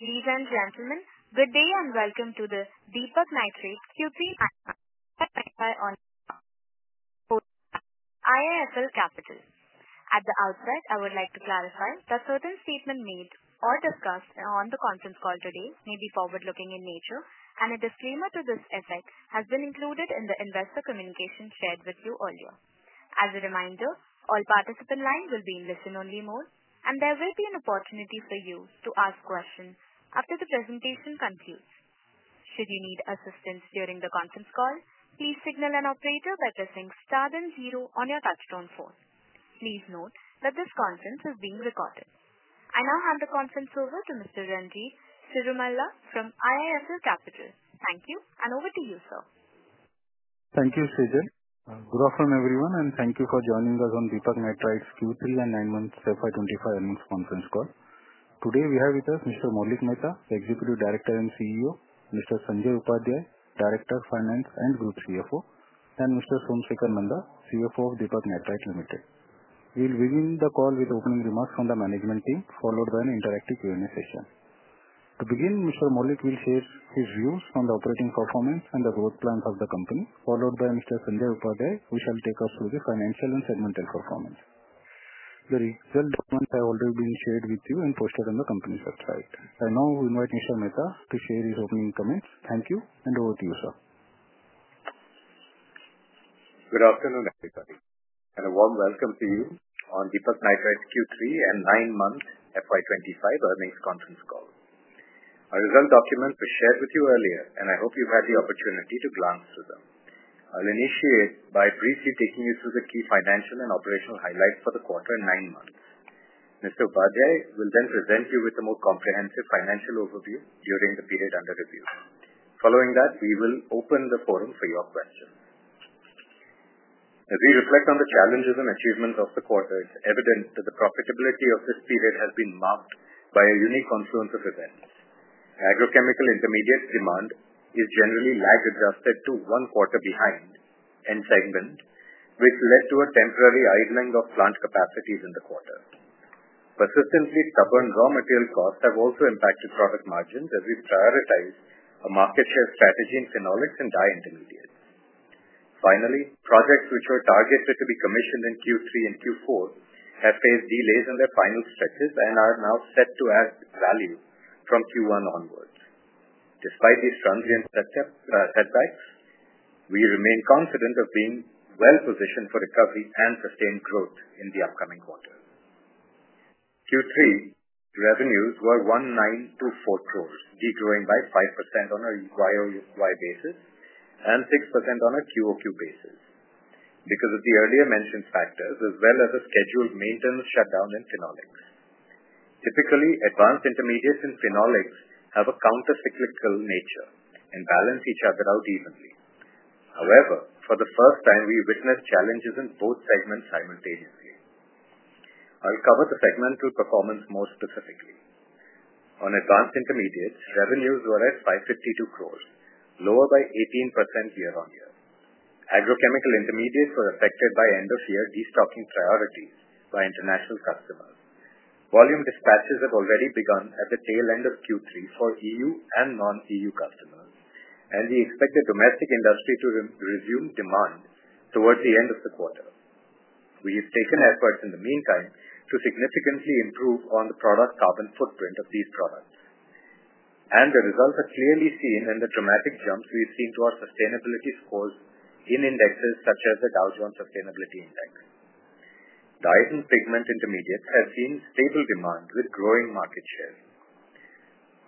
Ladies and gentlemen, good day and welcome to the Deepak Nitrite Q3 IIFL Capital. At the outset, I would like to clarify that certain statements made or discussed on the conference call today may be forward-looking in nature, and a disclaimer to this effect has been included in the investor communication shared with you earlier. As a reminder, all participants' lines will be in listen-only mode, and there will be an opportunity for you to ask questions after the presentation concludes. Should you need assistance during the conference call, please signal an operator by pressing star then zero on your touch-tone phone. Please note that this conference is being recorded. I now hand the conference over to Mr. Ranjit Cirumalla from IIFL Capital. Thank you, and over to you, sir. Thank you, [Srijay]. Good afternoon, everyone, and thank you for joining us on Deepak Nitrite's Q3 and nine-month FY 2025 Earnings conference call. Today, we have with us Mr. Maulik Mehta, the Executive Director and CEO, Mr. Sanjay Upadhyay, Director of Finance and Group CFO, and Mr. Somsekhar Nanda, CFO of Deepak Nitrite Limited. We'll begin the call with opening remarks from the management team, followed by an interactive Q&A session. To begin, Mr. Maulik will share his views on the operating performance and the growth plans of the company, followed by Mr. Sanjay Upadhyay, who shall take us through the financial and segmental performance. The results have already been shared with you and posted on the company's website. I now invite Mr. Mehta to share his opening comments. Thank you, and over to you, sir. Good afternoon, everybody, and a warm welcome to you on Deepak Nitrite's Q3 and nine-month FY 2025 earnings conference call. Our results documents were shared with you earlier, and I hope you've had the opportunity to glance through them. I'll initiate by briefly taking you through the key financial and operational highlights for the quarter and nine months. Mr. Upadhyay will then present you with a more comprehensive financial overview during the period under review. Following that, we will open the forum for your questions. As we reflect on the challenges and achievements of the quarter, it's evident that the profitability of this period has been marked by a unique confluence of events. Agrochemical intermediate demand is generally lag-adjusted to one quarter behind end segment, which led to a temporary idling of plant capacities in the quarter. Persistently stubborn raw material costs have also impacted product margins as we've prioritized a market share strategy in phenolic and dye intermediates. Finally, projects which were targeted to be commissioned in Q3 and Q4 have faced delays in their final stretches and are now set to add value from Q1 onwards. Despite these transient setbacks, we remain confident of being well-positioned for recovery and sustained growth in the upcoming quarter. Q3 revenues were 1,924 crore, degrowing by 5% on a YoY basis and 6% on a QoQ basis because of the earlier mentioned factors, as well as a scheduled maintenance shutdown in Phenolics. Typically, Advanced Intermediates and Phenolics have a countercyclical nature and balance each other out evenly. However, for the first time, we witnessed challenges in both segments simultaneously. I'll cover the segmental performance more specifically. On Advanced Intermediates, revenues were at 552 crore, lower by 18% year-on-year. Agrochemical intermediates were affected by end-of-year destocking priorities by international customers. Volume dispatches have already begun at the tail end of Q3 for EU and non-EU customers, and we expect the domestic industry to resume demand towards the end of the quarter. We have taken efforts in the meantime to significantly improve on the product carbon footprint of these products, and the results are clearly seen in the dramatic jumps we've seen to our sustainability scores in indexes such as the Dow Jones Sustainability Index. Dye and Pigment Intermediates have seen stable demand with growing market share.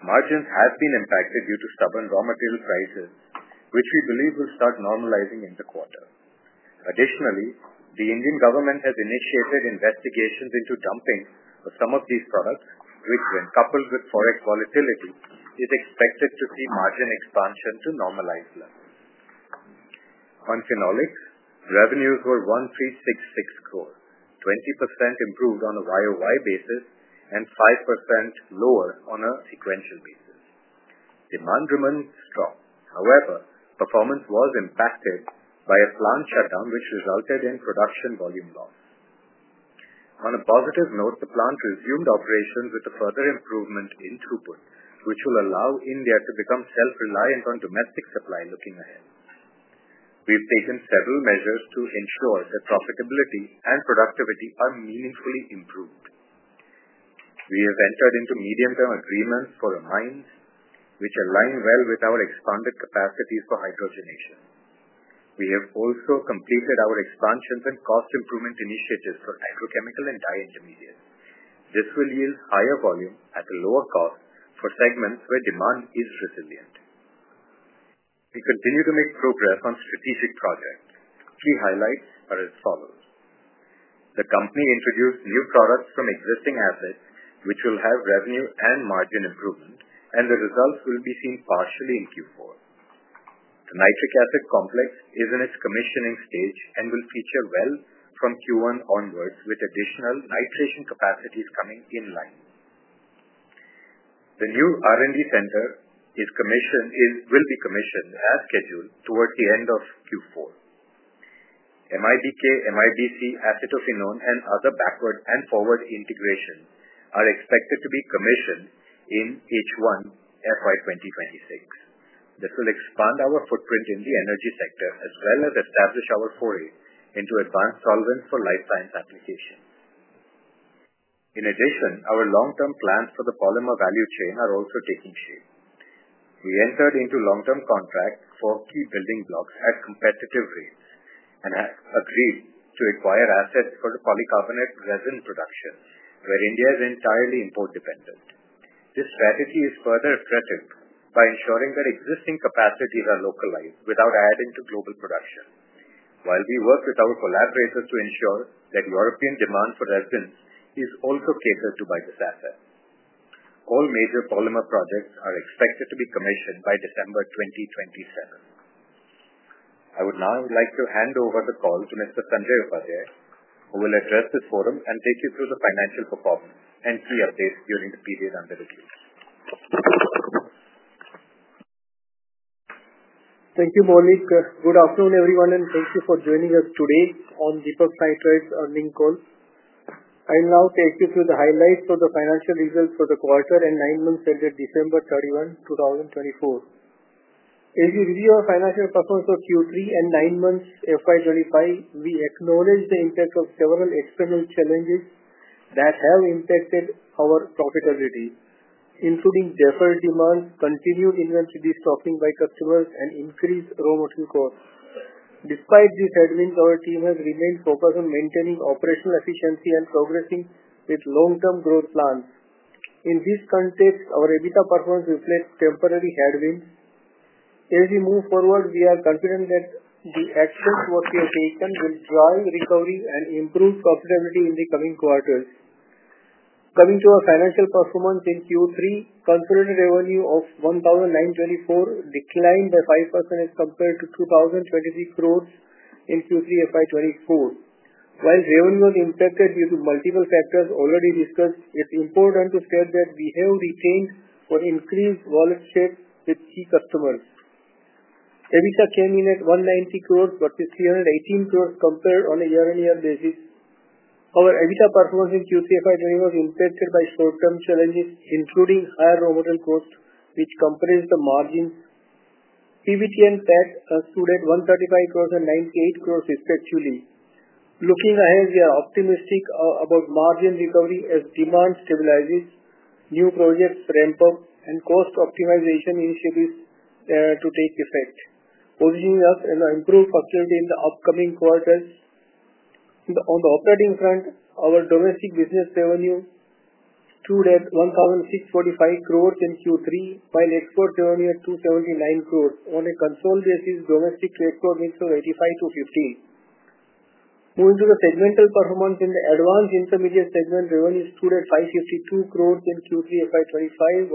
Margins have been impacted due to stubborn raw material prices, which we believe will start normalizing in the quarter. Additionally, the Indian government has initiated investigations into dumping of some of these products, which, when coupled with forex volatility, is expected to see margin expansion to normalize levels. On Phenolics, revenues were 1,366 crore, 20% improved on a YoY basis and 5% lower on a sequential basis. Demand remained strong. However, performance was impacted by a plant shutdown, which resulted in production volume loss. On a positive note, the plant resumed operations with a further improvement in throughput, which will allow India to become self-reliant on domestic supply looking ahead. We've taken several measures to ensure that profitability and productivity are meaningfully improved. We have entered into medium-term agreements for amines, which align well with our expanded capacities for hydrogenation. We have also completed our expansions and cost improvement initiatives for Agrochemical and Dye Intermediates. This will yield higher volume at a lower cost for segments where demand is resilient. We continue to make progress on strategic projects. Key highlights are as follows. The company introduced new products from existing assets, which will have revenue and margin improvement, and the results will be seen partially in Q4. The nitric acid complex is in its commissioning stage and will feature well from Q1 onwards, with additional nitration capacities coming in line. The new R&D center will be commissioned as scheduled towards the end of Q4. MIBK, MIBC, acetophenone, and other backward and forward integrations are expected to be commissioned in H1 FY 2026. This will expand our footprint in the energy sector as well as establish our foray into advanced solvents for life science applications. In addition, our long-term plans for the polymer value chain are also taking shape. We entered into long-term contracts for key building blocks at competitive rates and have agreed to acquire assets for polycarbonate resin production, where India is entirely import-dependent. This strategy is further aggressive by ensuring that existing capacities are localized without adding to global production, while we work with our collaborators to ensure that European demand for resins is also catered to by this asset. All major polymer projects are expected to be commissioned by December 2027. I would now like to hand over the call to Mr. Sanjay Upadhyay, who will address this forum and take you through the financial performance and key updates during the period under review. Thank you, Maulik. Good afternoon, everyone, and thank you for joining us today on Deepak Nitrite's earnings call. I'll now take you through the highlights of the financial results for the quarter and nine months ended December 31, 2024. As we review our financial performance of Q3 and nine months FY 2025, we acknowledge the impact of several external challenges that have impacted our profitability, including deferred demands, continued inventory destocking by customers, and increased raw material costs. Despite these headwinds, our team has remained focused on maintaining operational efficiency and progressing with long-term growth plans. In this context, our EBITDA performance reflects temporary headwinds. As we move forward, we are confident that the actions that we have taken will drive recovery and improve profitability in the coming quarters. Coming to our financial performance in Q3, consolidated revenue of INR 1,924 crore declined by 5% as compared to INR 2,023 crore in Q3 FY 2024. While revenue was impacted due to multiple factors already discussed, it's important to state that we have retained or increased wallet share with key customers. EBITDA came in at 190 crore, but it's 318 crore compared on a year-on-year basis. Our EBITDA performance in Q3 FY 2024 was impacted by short-term challenges, including higher raw material costs, which compressed the margins. PBT and PAT stood at 135 crore and 98 crore respectively. Looking ahead, we are optimistic about margin recovery as demand stabilizes, new projects ramp up, and cost optimization initiatives take effect, positioning us for improved profitability in the upcoming quarters. On the operating front, our domestic business revenue stood at 1,645 crore in Q3, while export revenue at 279 crore. On a consolidated basis, domestic to export mix was 85:15. Moving to the segmental performance. In the Advanced Intermediates segment, revenue stood at 552 crore in Q3 FY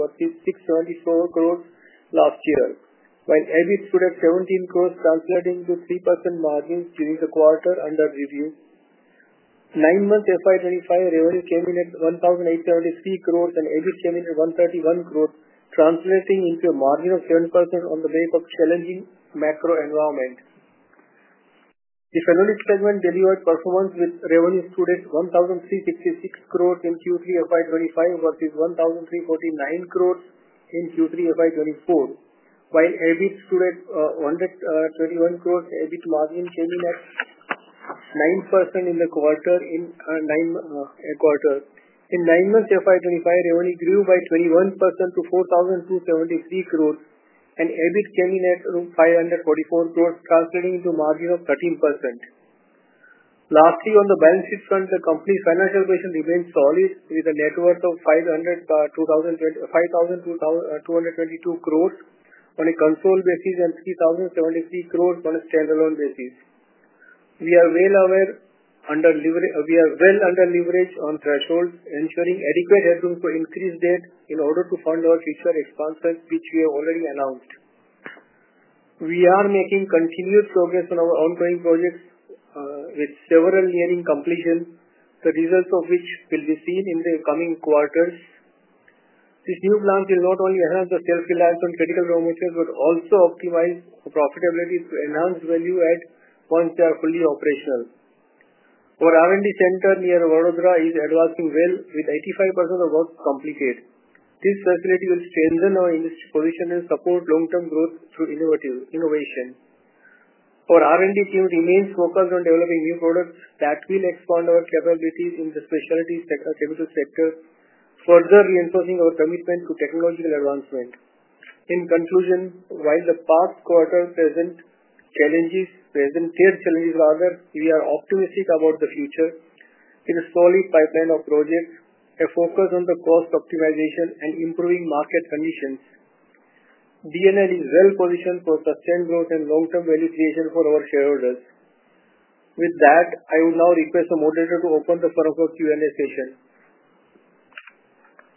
2025 versus 674 crore last year, while EBIT stood at 17 crore, translating to 3% margins during the quarter under review. Nine-month FY 2025 revenue came in at 1,873 crore, and EBIT came in at 131 crore, translating into a margin of 7% on the back of challenging macro environment. The Phenolics segment delivered performance with revenue stood at 1,366 crore in Q3 FY 2025 versus 1,349 crore in Q3 FY 2024, while EBIT stood at 121 crore, EBIT margin came in at 9% in the quarter. In nine-month FY 2025, revenue grew by 21% to 4,273 crore, and EBIT came in at 544 crore, translating into a margin of 13%. Lastly, on the balance sheet front, the company's financial position remains solid with a net worth of 5,222 crore on a consolidated basis and 3,073 crore on a standalone basis. We are well under leverage on thresholds, ensuring adequate headroom for increased debt in order to fund our future expansions, which we have already announced. We are making continued progress on our ongoing projects with several nearing completion, the results of which will be seen in the coming quarters. This new plan will not only enhance the self-reliance on critical raw materials but also optimize profitability to enhance value add once they are fully operational. Our R&D center near Vadodara is advancing well with 85% of work completed. This facility will strengthen our industry position and support long-term growth through innovation. Our R&D team remains focused on developing new products that will expand our capabilities in the specialty chemical sector, further reinforcing our commitment to technological advancement. In conclusion, while the past quarter presented varied challenges. Rather, we are optimistic about the future with a solid pipeline of projects, a focus on cost optimization, and improving market conditions. DNL is well positioned for sustained growth and long-term value creation for our shareholders. With that, I would now request the moderator to open the floor for further Q&A.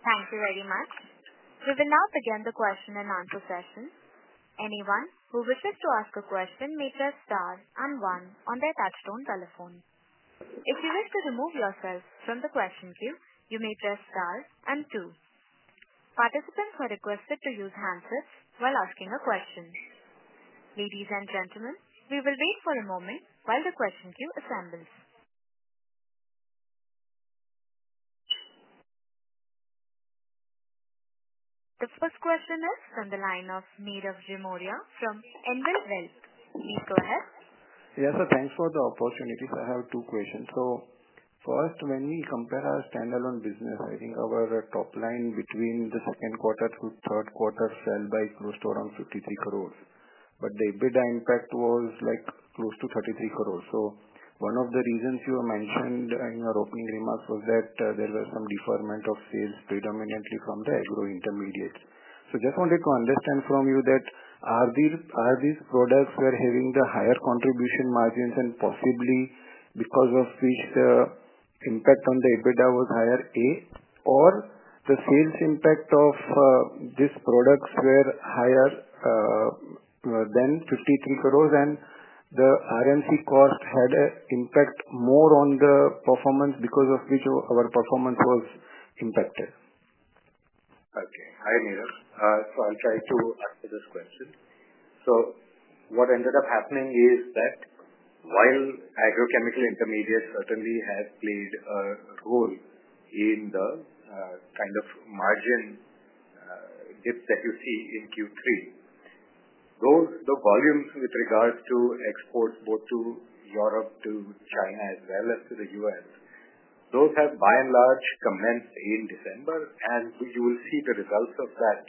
Thank you very much. We will now begin the question and answer session. Anyone who wishes to ask a question may press star and one on their touch-tone telephone. If you wish to remove yourself from the question queue, you may press star and two. Participants are requested to use handsets while asking a question. Ladies and gentlemen, we will wait for a moment while the question queue assembles. The first question is from the line of Nirav Jimudia from Anvil Wealth. Please go ahead. Yes, sir. Thanks for the opportunity. So I have two questions. So first, when we compare our standalone business, I think our top line between the second quarter to third quarter fell by close to around 53 crore, but the EBITDA impact was close to 33 crore. So one of the reasons you mentioned in your opening remarks was that there was some deferment of sales predominantly from the Agro Intermediates. So just wanted to understand from you that are these products where having the higher contribution margins and possibly because of which the impact on the EBITDA was higher, or the sales impact of these products were higher than 53 crore and the RMC cost had an impact more on the performance because of which our performance was impacted? Okay. Hi, Nirav. So I'll try to answer this question. So what ended up happening is that while Agrochemical Intermediates certainly have played a role in the kind of margin dip that you see in Q3, the volumes with regards to exports both to Europe, to China, as well as to the U.S., those have by and large commenced in December, and you will see the results of that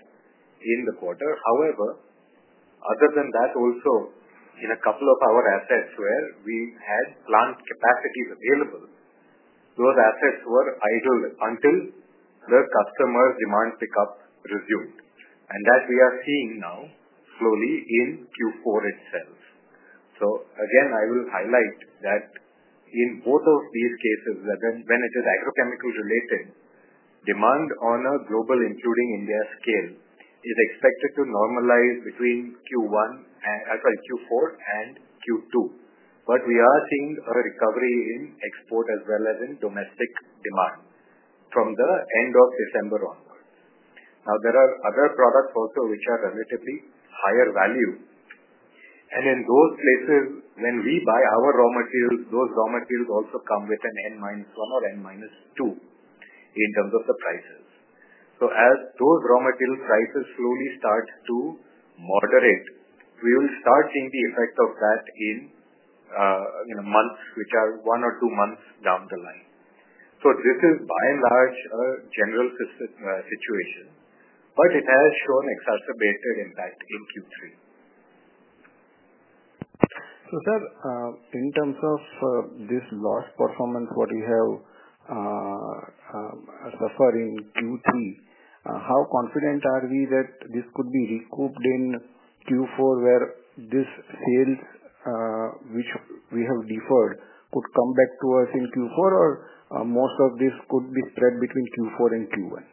in the quarter. However, other than that, also in a couple of our assets where we had plant capacities available, those assets were idle until the customer demand pickup resumed, and that we are seeing now slowly in Q4 itself. So again, I will highlight that in both of these cases, when it is agrochemical-related, demand on a global, including India scale, is expected to normalize between Q4 and Q2, but we are seeing a recovery in export as well as in domestic demand from the end of December onwards. Now, there are other products also which are relatively higher value, and in those places, when we buy our raw materials, those raw materials also come with an N -1 or N -2 in terms of the prices. So as those raw material prices slowly start to moderate, we will start seeing the effect of that in months which are one or two months down the line. So this is by and large a general situation, but it has shown exacerbated impact in Q3. So sir, in terms of this loss performance, what we have suffered in Q3, how confident are we that this could be recouped in Q4 where this sales which we have deferred could come back to us in Q4, or most of this could be spread between Q4 and Q1?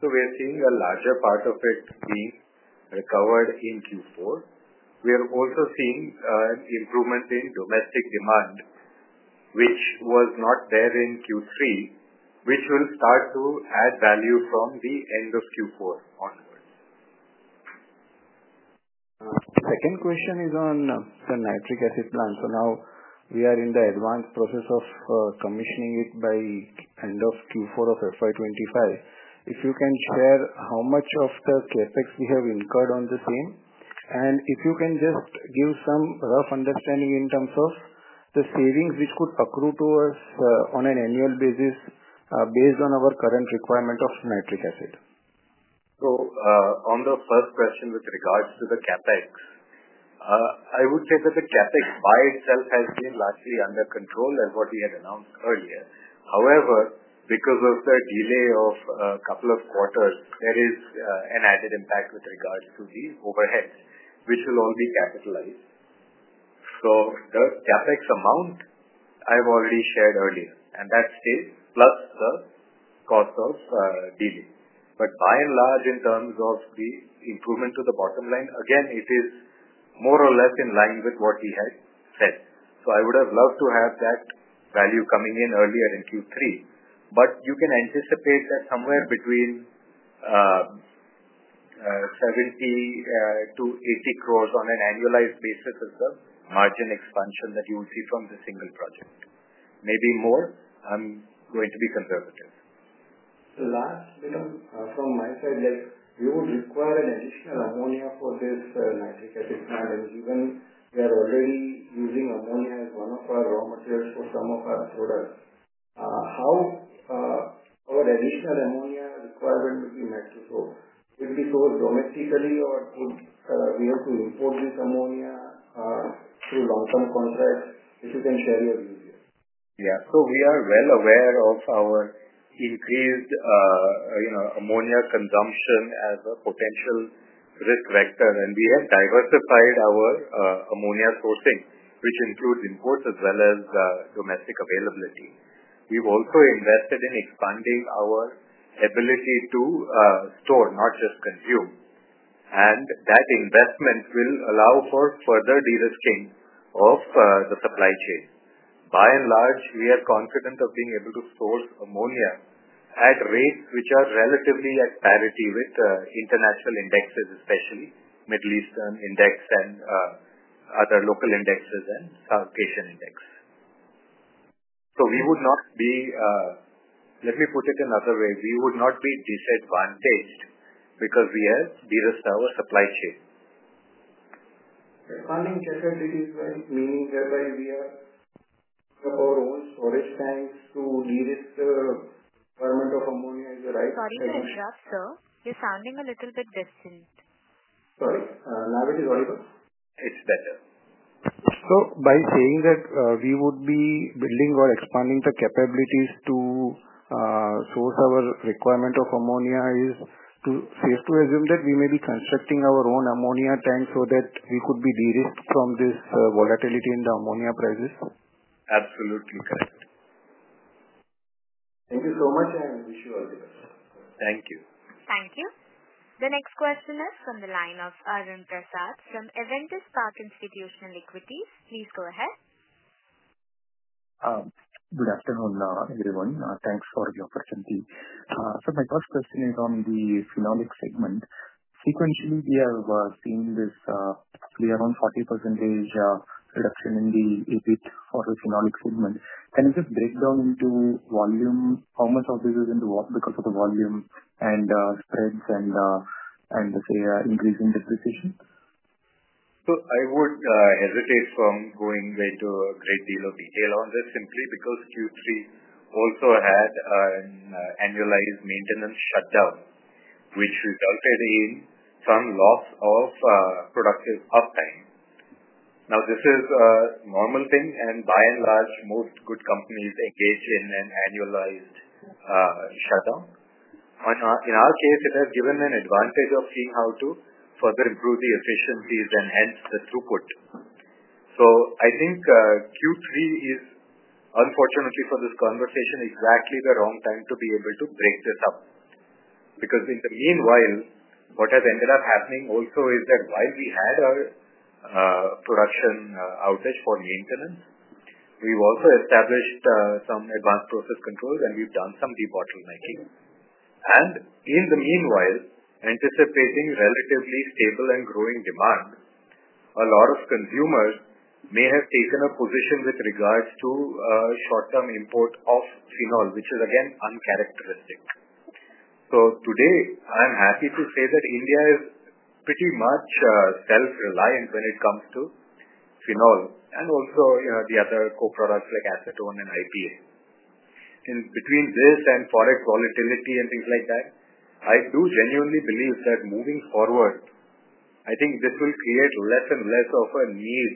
We are seeing a larger part of it being recovered in Q4. We are also seeing an improvement in domestic demand, which was not there in Q3, which will start to add value from the end of Q4 onwards. The second question is on the nitric acid plant. So now we are in the advanced process of commissioning it by end of Q4 of FY 2025. If you can share how much of the CapEx we have incurred on the same, and if you can just give some rough understanding in terms of the savings which could accrue to us on an annual basis based on our current requirement of nitric acid? So on the first question with regards to the CapEx, I would say that the CapEx by itself has been largely under control as what we had announced earlier. However, because of the delay of a couple of quarters, there is an added impact with regards to the overhead, which will all be capitalized. So the CapEx amount I have already shared earlier, and that stays plus the cost of dealing. But by and large, in terms of the improvement to the bottom line, again, it is more or less in line with what we had said. So I would have loved to have that value coming in earlier in Q3, but you can anticipate that somewhere between 70 crore-80 crore on an annualized basis is the margin expansion that you will see from the single project. Maybe more. I'm going to be conservative. So last bit from my side, we would require an additional ammonia for this nitric acid plant, and given we are already using ammonia as one of our raw materials for some of our products, how our additional ammonia requirement would be met? So would it be sold domestically, or would we have to import this ammonia through long-term contracts? If you can share your view here. Yeah. So we are well aware of our increased ammonia consumption as a potential risk vector, and we have diversified our ammonia sourcing, which includes imports as well as domestic availability. We've also invested in expanding our ability to store, not just consume, and that investment will allow for further de-risking of the supply chain. By and large, we are confident of being able to source ammonia at rates which are relatively at parity with international indexes, especially Middle Eastern index, and other local indexes and South Asian index. So we would not be, let me put it another way, we would not be disadvantaged because we have de-risked our supply chain. [Calling to subsiding trend, we move that by end of year for] our own storage tanks to de-risk the requirement of ammonia, is that right? Sorry to interrupt, sir. You're sounding a little bit distant. Sorry. Now it is audible? It's better. So by saying that we would be building or expanding the capabilities to source our requirement of ammonia, is it safe to assume that we may be constructing our own ammonia tank so that we could be de-risked from this volatility in the ammonia prices? Absolutely correct. Thank you so much, and wish you all the best. Thank you. Thank you. The next question is from the line of Arun Prasath from Avendus Spark Institutional Equities. Please go ahead. Good afternoon, everyone. Thanks for the opportunity. So my first question is on the Phenolics segment. Sequentially, we have seen this roughly around 40% reduction in the EBIT for the Phenolics segment. Can you just break down into volume how much of this is because of the volume and spreads and, let's say, increasing depreciation? So I would hesitate from going into a great deal of detail on this simply because Q3 also had an annualized maintenance shutdown, which resulted in some loss of productive uptime. Now, this is a normal thing, and by and large, most good companies engage in an annualized shutdown. In our case, it has given an advantage of seeing how to further improve the efficiencies and hence the throughput. So I think Q3 is, unfortunately for this conversation, exactly the wrong time to be able to break this up because in the meanwhile, what has ended up happening also is that while we had our production outage for maintenance, we've also established some advanced process controls, and we've done some debottlenecking. In the meanwhile, anticipating relatively stable and growing demand, a lot of consumers may have taken a position with regards to short-term import of phenol, which is again uncharacteristic. Today, I'm happy to say that India is pretty much self-reliant when it comes to phenol and also the other co-products like acetone and IPA. Between this and forex volatility and things like that, I do genuinely believe that moving forward, I think this will create less and less of a need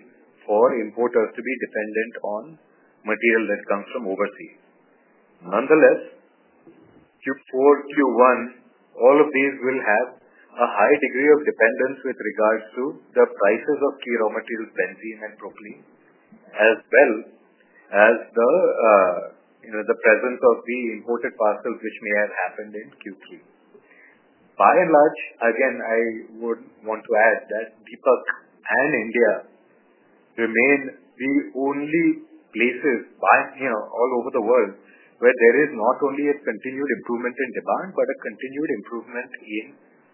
for importers to be dependent on material that comes from overseas. Nonetheless, Q4, Q1, all of these will have a high degree of dependence with regards to the prices of key raw materials, benzene and propylene, as well as the presence of the imported parcels which may have happened in Q3. By and large, again, I would want to add that Deepak and India remain the only places all over the world where there is not only a continued improvement in demand but a continued improvement in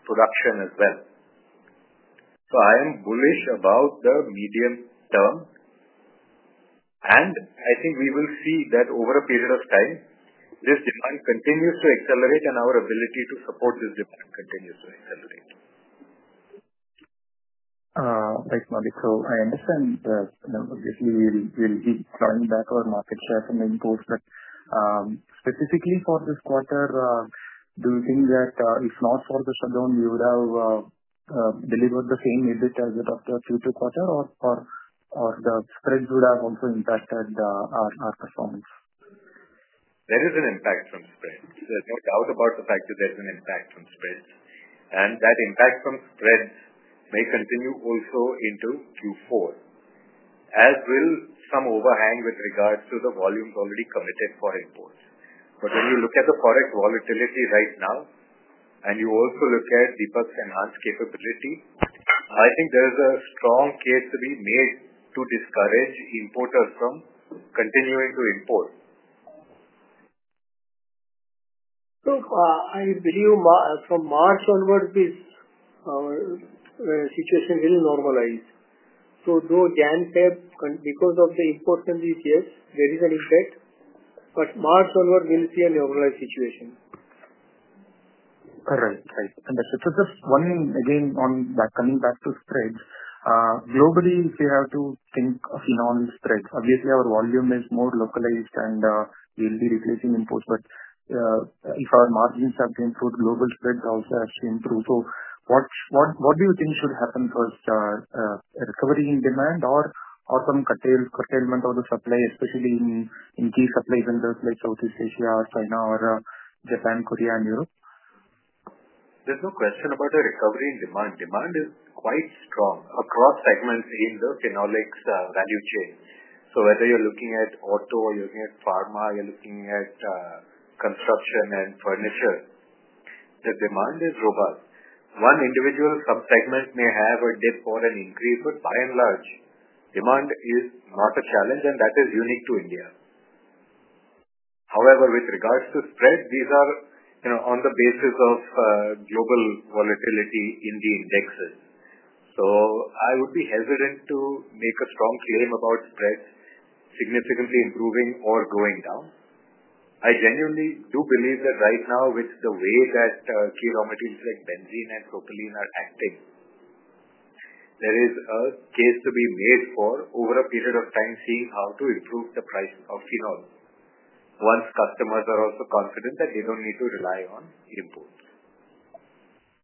production as well, so I am bullish about the medium term, and I think we will see that over a period of time, this demand continues to accelerate and our ability to support this demand continues to accelerate. Thanks, Maulik. So I understand that obviously we'll be clawing back our market share from the imports, but specifically for this quarter, do you think that if not for the shutdown, we would have delivered the same EBIT as of the Q2 quarter, or the spreads would have also impacted our performance? There is an impact from spreads. There's no doubt about the fact that there's an impact from spreads, and that impact from spreads may continue also into Q4, as will some overhang with regards to the volumes already committed for imports, but when you look at the forex volatility right now and you also look at Deepak's enhanced capability, I think there's a strong case to be made to discourage importers from continuing to import. So I believe from March onwards, our situation will normalize. So though January-February, because of the imports in these years, there is an impact, but March onwards, we'll see a normalized situation. Right. Right. Understood. So just one thing again on that coming back to spreads. Globally, if we have to think of phenol spreads, obviously our volume is more localized and we'll be replacing imports, but if our margins have to improve, global spreads also have to improve. So what do you think should happen first, recovery in demand or some curtailment of the supply, especially in key supply vendors like Southeast Asia, China, or Japan, Korea, and Europe? There's no question about a recovery in demand. Demand is quite strong across segments in the Phenolics value chain. So whether you're looking at auto or you're looking at pharma or you're looking at construction and furniture, the demand is robust. One individual subsegment may have a dip or an increase, but by and large, demand is not a challenge, and that is unique to India. However, with regards to spreads, these are on the basis of global volatility in the indexes. So I would be hesitant to make a strong claim about spreads significantly improving or going down. I genuinely do believe that right now, with the way that key raw materials like benzene and propylene are acting, there is a case to be made for over a period of time seeing how to improve the price of phenol once customers are also confident that they don't need to rely on imports.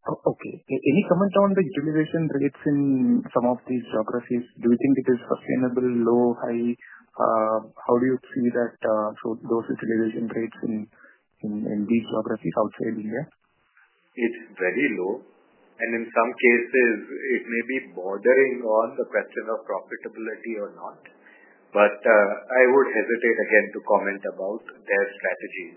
Okay. Any comment on the utilization rates in some of these geographies? Do you think it is sustainable, low, high? How do you see those utilization rates in these geographies outside India? It's very low, and in some cases, it may be bordering on the question of profitability or not, but I would hesitate again to comment about their strategy.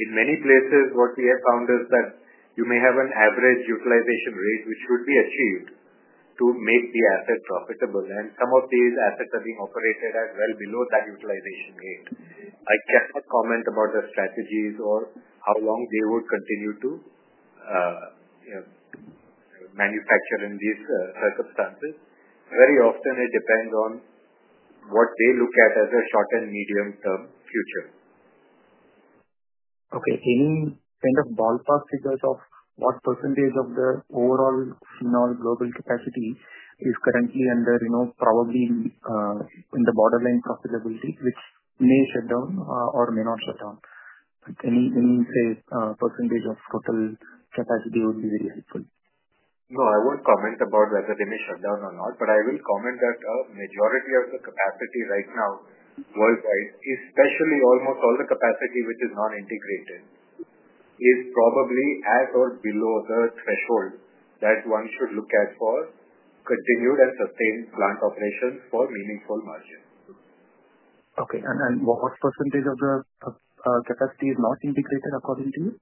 In many places, what we have found is that you may have an average utilization rate which should be achieved to make the asset profitable, and some of these assets are being operated at well below that utilization rate. I cannot comment about the strategies or how long they would continue to manufacture in these circumstances. Very often, it depends on what they look at as a short and medium-term future. Okay. Any kind of ballpark figures of what percentage of the overall phenol global capacity is currently under probably in the borderline profitability, which may shut down or may not shut down? Any percentage of total capacity would be very helpful. No, I won't comment about whether they may shut down or not, but I will comment that a majority of the capacity right now, worldwide, especially almost all the capacity which is non-integrated, is probably at or below the threshold that one should look at for continued and sustained plant operations for meaningful margins. Okay. And what percentage of the capacity is not integrated, according to you?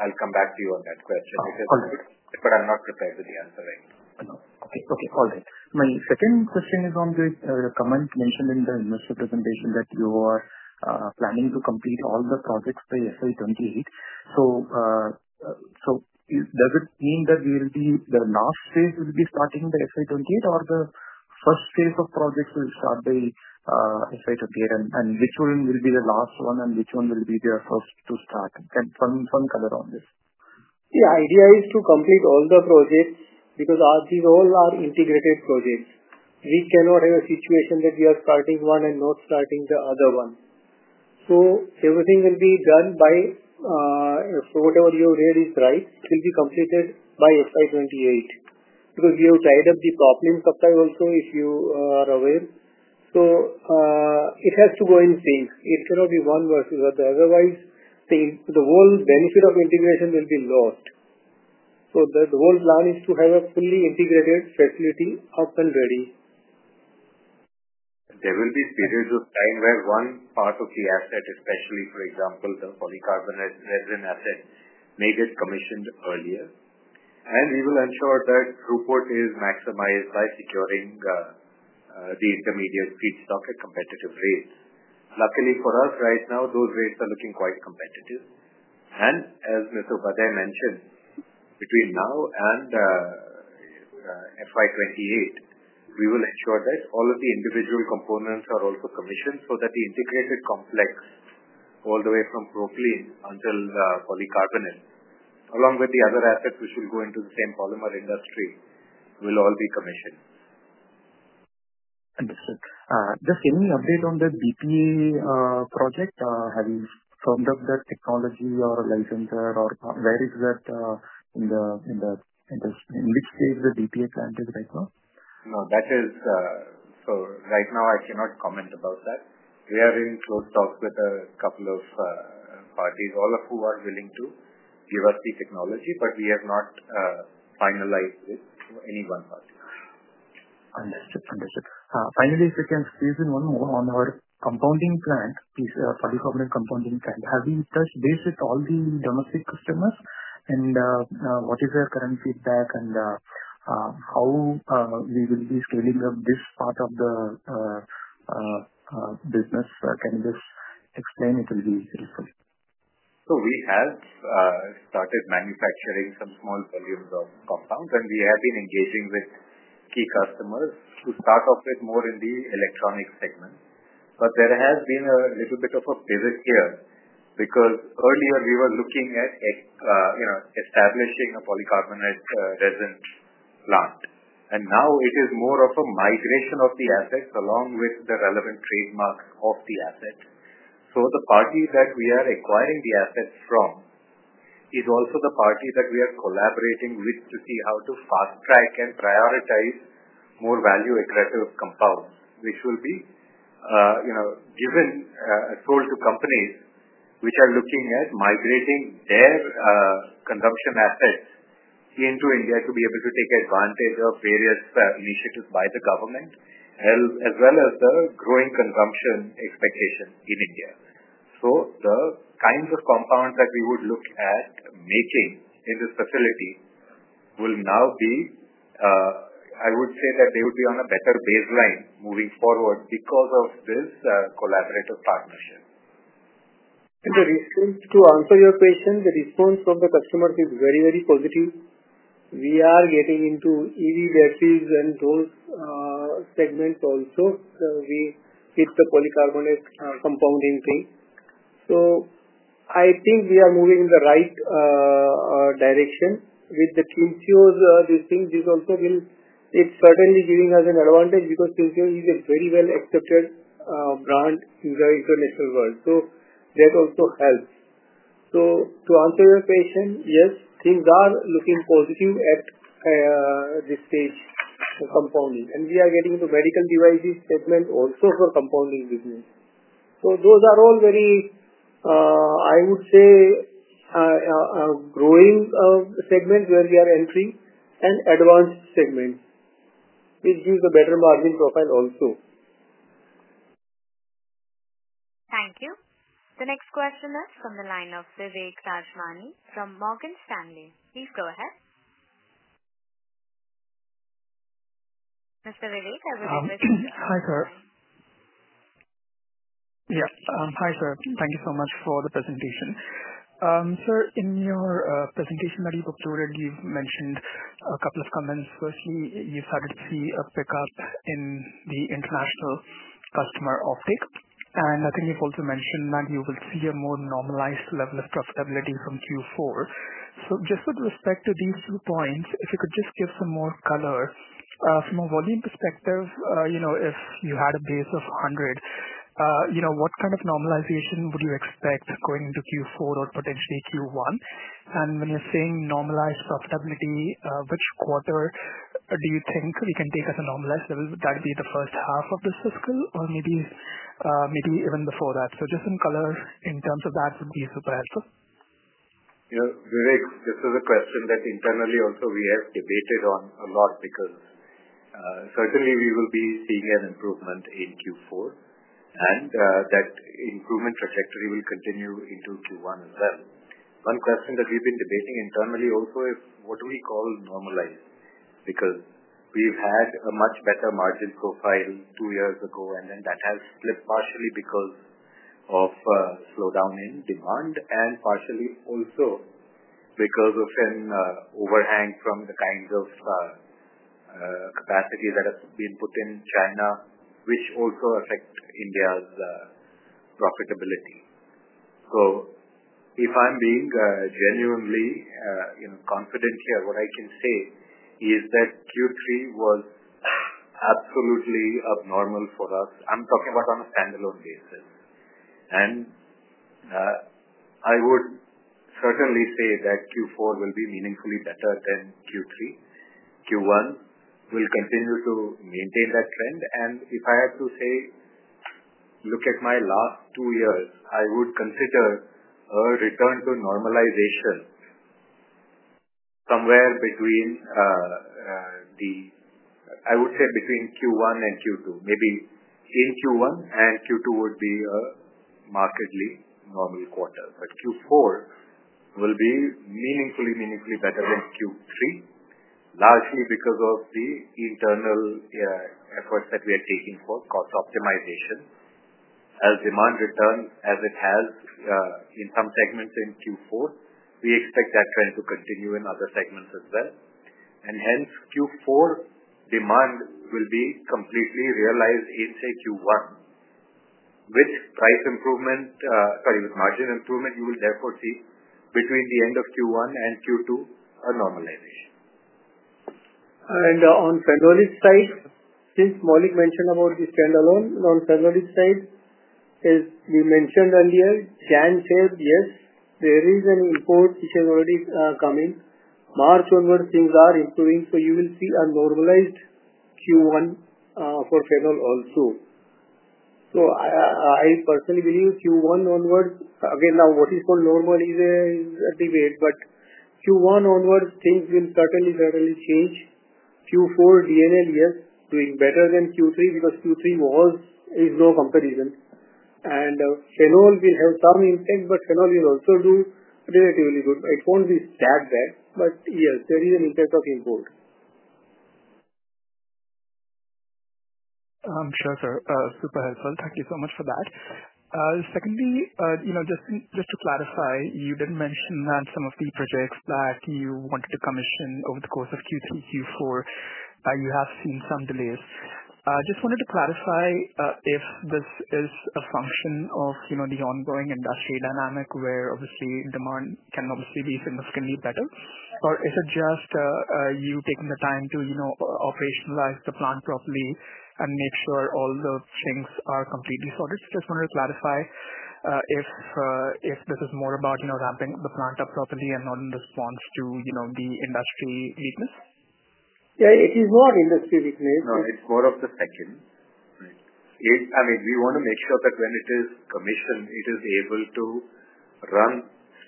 I'll come back to you on that question because I'm not prepared with the answer right now. Okay. All right. My second question is on the comment mentioned in the investor presentation that you are planning to complete all the projects by FY 2028. So does it mean that the last phase will be starting by FY 2028, or the first phase of projects will start by FY 2028? And which one will be the last one, and which one will be the first to start? Can someone comment on this? The idea is to complete all the projects because these all are integrated projects. We cannot have a situation that we are starting one and not starting the other one. So everything will be done by whatever you read is right. It will be completed by FY 2028 because we have tied up the propylene supply also, if you are aware. So it has to go in sync. It cannot be one versus the other. Otherwise, the whole benefit of integration will be lost. So the whole plan is to have a fully integrated facility up and ready. There will be periods of time where one part of the asset, especially, for example, the polycarbonate resin asset, may get commissioned earlier, and we will ensure that throughput is maximized by securing the intermediate feedstock at competitive rates. Luckily for us, right now, those rates are looking quite competitive, and as Mr. Upadhyay mentioned, between now and FY 2028, we will ensure that all of the individual components are also commissioned so that the integrated complex, all the way from propylene until polycarbonate, along with the other assets which will go into the same polymer industry, will all be commissioned. Understood. Just any update on the BPA project? Have you firmed up the technology or licensure, or where is that in the industry? In which stage the BPA plant is right now? No, that is so right now, I cannot comment about that. We are in close talks with a couple of parties, all of whom are willing to give us the technology, but we have not finalized it to any one party. Understood. Understood. Finally, if we can squeeze in one more on our compounding plant, polycarbonate compounding plant, have you touched base with all the domestic customers? What is their current feedback, and how we will be scaling up this part of the business? Can you just explain? It will be helpful. So we have started manufacturing some small volumes of compounds, and we have been engaging with key customers to start off with more in the electronics segment. But there has been a little bit of a pivot here because earlier, we were looking at establishing a polycarbonate resin plant, and now it is more of a migration of the assets along with the relevant trademarks of the asset. So the party that we are acquiring the asset from is also the party that we are collaborating with to see how to fast-track and prioritize more value-added compounds, which will be sold to companies which are looking at migrating their consumption assets into India to be able to take advantage of various initiatives by the government, as well as the growing consumption expectation in India. So the kinds of compounds that we would look at making in this facility will now be. I would say that they would be on a better baseline moving forward because of this collaborative partnership. The response to answer your question, the response from the customers is very, very positive. We are getting into EV batteries and those segments also, with the polycarbonate compounding thing. So I think we are moving in the right direction with the Trinseo. This thing, this also will, it's certainly giving us an advantage because Trinseo is a very well-accepted brand in the international world. So that also helps. So to answer your question, yes, things are looking positive at this stage for compounding, and we are getting into medical devices segment also for compounding business. So those are all very, I would say, growing segments where we are entering and advanced segments which give a better margin profile also. Thank you. The next question is from the line of Vivek Rajamani from Morgan Stanley. Please go ahead. Mr. Vivek, I will. Hi, sir. Yeah. Hi, sir. Thank you so much for the presentation. Sir, in your presentation that you've uploaded, you've mentioned a couple of comments. Firstly, you started to see a pickup in the international customer uptake, and I think you've also mentioned that you will see a more normalized level of profitability from Q4. So just with respect to these two points, if you could just give some more color. From a volume perspective, if you had a base of 100, what kind of normalization would you expect going into Q4 or potentially Q1? And when you're saying normalized profitability, which quarter do you think we can take as a normalized level? Would that be the first half of the fiscal or maybe even before that? So just some color in terms of that would be super helpful. Vivek, this is a question that internally also we have debated on a lot because certainly we will be seeing an improvement in Q4, and that improvement trajectory will continue into Q1 as well. One question that we've been debating internally also is, what do we call normalized? Because we've had a much better margin profile two years ago, and then that has slipped partially because of slowdown in demand and partially also because of an overhang from the kinds of capacity that have been put in China, which also affect India's profitability. So if I'm being genuinely confident here, what I can say is that Q3 was absolutely abnormal for us. I'm talking about on a standalone basis, and I would certainly say that Q4 will be meaningfully better than Q3. Q1 will continue to maintain that trend. And if I had to say, look at my last two years, I would consider a return to normalization somewhere between. I would say between Q1 and Q2. Maybe in Q1 and Q2 would be a markedly normal quarter. Q4 will be meaningfully, meaningfully better than Q3, largely because of the internal efforts that we are taking for cost optimization. As demand returned, as it has in some segments in Q4, we expect that trend to continue in other segments as well. Hence, Q4 demand will be completely realized in, say, Q1. With price improvement, sorry, with margin improvement, you will therefore see between the end of Q1 and Q2 a normalization. On Phenolics side, since Maulik mentioned about the standalone, on Phenolics side, as we mentioned earlier. January, February, yes. There is an import which has already come in. March onwards, things are improving. So you will see a normalized Q1 for Phenol also. So I personally believe Q1 onwards, again, now what is called normal is a debate, but Q1 onwards, things will certainly, certainly change. Q4, DNL, yes, doing better than Q3 because Q3 was. Is no comparison. Phenol will have some impact, but Phenol will also do relatively good. It won't be that bad, but yes, there is an impact of import. Sure, sir. Super helpful. Thank you so much for that. Secondly, just to clarify, you did mention that some of the projects that you wanted to commission over the course of Q3, Q4, you have seen some delays. Just wanted to clarify if this is a function of the ongoing industry dynamic where obviously demand can obviously be significantly better, or is it just you taking the time to operationalize the plant properly and make sure all the things are completely sorted? Just wanted to clarify if this is more about ramping the plant up properly and not in response to the industry weakness. Yeah, it is not industry weakness. No, it's more of the second. I mean, we want to make sure that when it is commissioned, it is able to run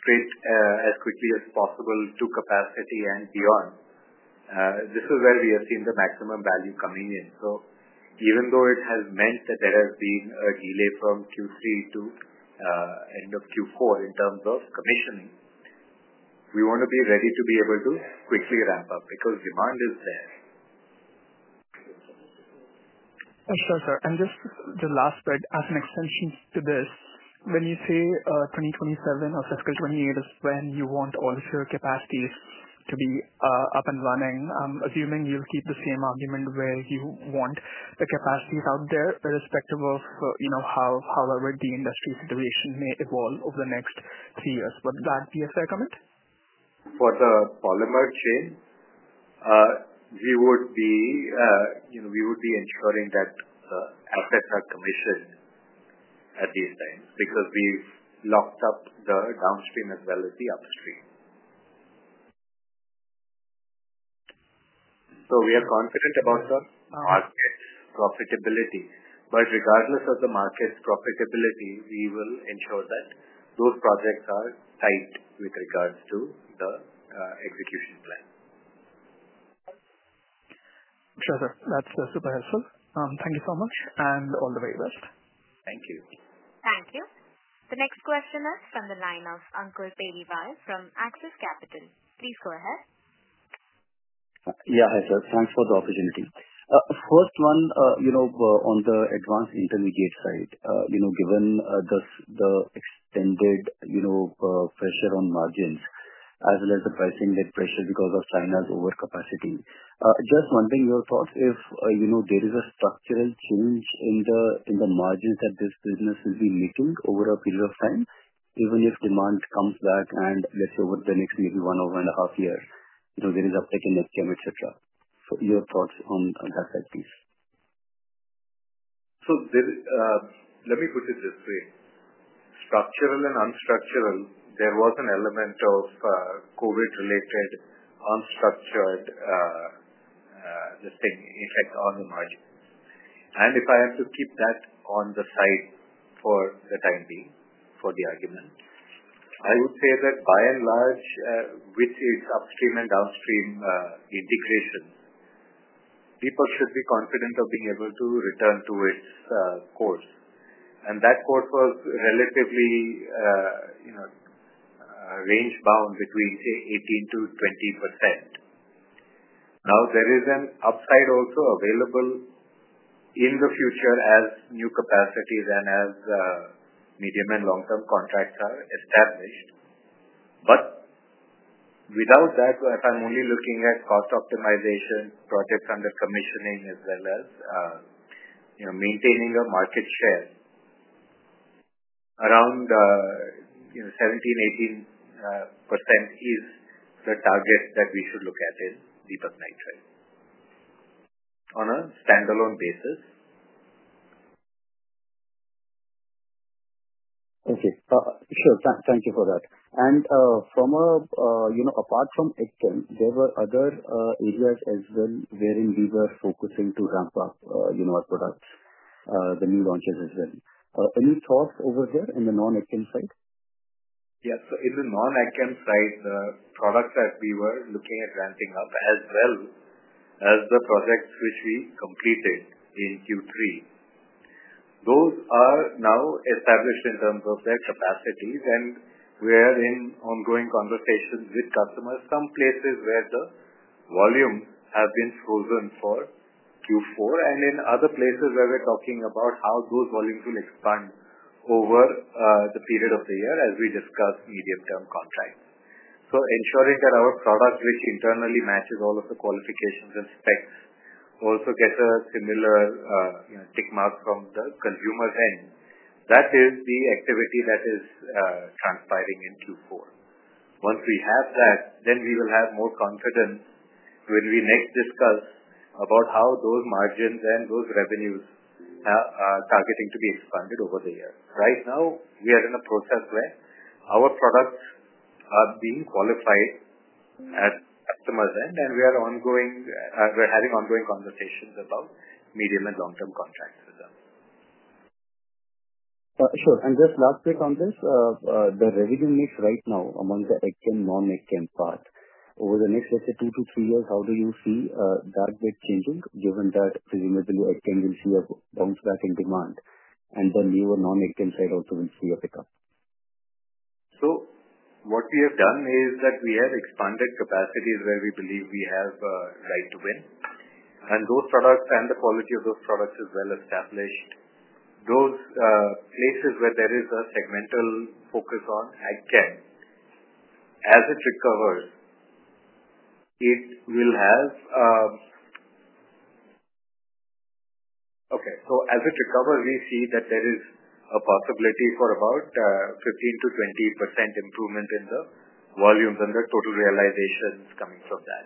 straight as quickly as possible to capacity and beyond. This is where we have seen the maximum value coming in. So even though it has meant that there has been a delay from Q3 to end of Q4 in terms of commissioning, we want to be ready to be able to quickly ramp up because demand is there. Sure, sir. And just the last bit, as an extension to this, when you say 2027 or fiscal 2028 is when you want all of your capacities to be up and running, I'm assuming you'll keep the same argument where you want the capacities out there irrespective of however the industry situation may evolve over the next three years. Would that be a fair comment? For the polymer chain, we would be ensuring that the assets are commissioned at these times because we've locked up the downstream as well as the upstream, so we are confident about the market profitability, but regardless of the market profitability, we will ensure that those projects are tight with regards to the execution plan. Sure, sir. That's super helpful. Thank you so much, and all the very best. Thank you. Thank you. The next question is from the line of Ankur Periwal from Axis Capital. Please go ahead. Yeah, hi sir. Thanks for the opportunity. First one, on the Advanced Intermediate side, given the extended pressure on margins as well as the pricing-led pressure because of China's overcapacity, just wondering your thoughts if there is a structural change in the margins that this business will be making over a period of time, even if demand comes back and let's say over the next maybe 1.5 years, there is uptake in Ag chem, etc. So your thoughts on that, please. So let me put it this way. Structural and unstructural, there was an element of COVID-related unstructured effect on the margins. And if I have to keep that on the side for the time being for the argument, I would say that by and large, with its upstream and downstream integrations, people should be confident of being able to return to its course. And that course was relatively range-bound between, say, 18%-20%. Now, there is an upside also available in the future as new capacities and as medium and long-term contracts are established. But without that, if I'm only looking at cost optimization, projects under commissioning, as well as maintaining a market share, around 17%-18% is the target that we should look at in Deepak Nitrite on a standalone basis. Thank you. Sure. Thank you for that. And apart from Ag chem, there were other areas as well wherein we were focusing to ramp up our products, the new launches as well. Any thoughts over there in the Non-Ag chem side? Yes. So in the Non-Ag chem side, the products that we were looking at ramping up as well as the projects which we completed in Q3, those are now established in terms of their capacities, and we are in ongoing conversations with customers, some places where the volumes have been frozen for Q4, and in other places where we're talking about how those volumes will expand over the period of the year as we discuss medium-term contracts. So ensuring that our product, which internally matches all of the qualifications and specs, also gets a similar tick mark from the consumer's end, that is the activity that is transpiring in Q4. Once we have that, then we will have more confidence when we next discuss about how those margins and those revenues are targeting to be expanded over the year. Right now, we are in a process where our products are being qualified at customer's end, and we are having ongoing conversations about medium and long-term contracts with them. Sure. And just last bit on this, the revenue mix right now among the Ag chem, Non-Ag chem part, over the next, let's say, two to three years, how do you see that bit changing given that presumably Ag chem will see a bounce back in demand and the newer Non-Ag chem side also will see a pickup? So what we have done is that we have expanded capacities where we believe we have right to win. And those products and the quality of those products is well established. Those places where there is a segmental focus on Ag chem, as it recovers, it will have okay. So as it recovers, we see that there is a possibility for about 15%-20% improvement in the volumes and the total realizations coming from that.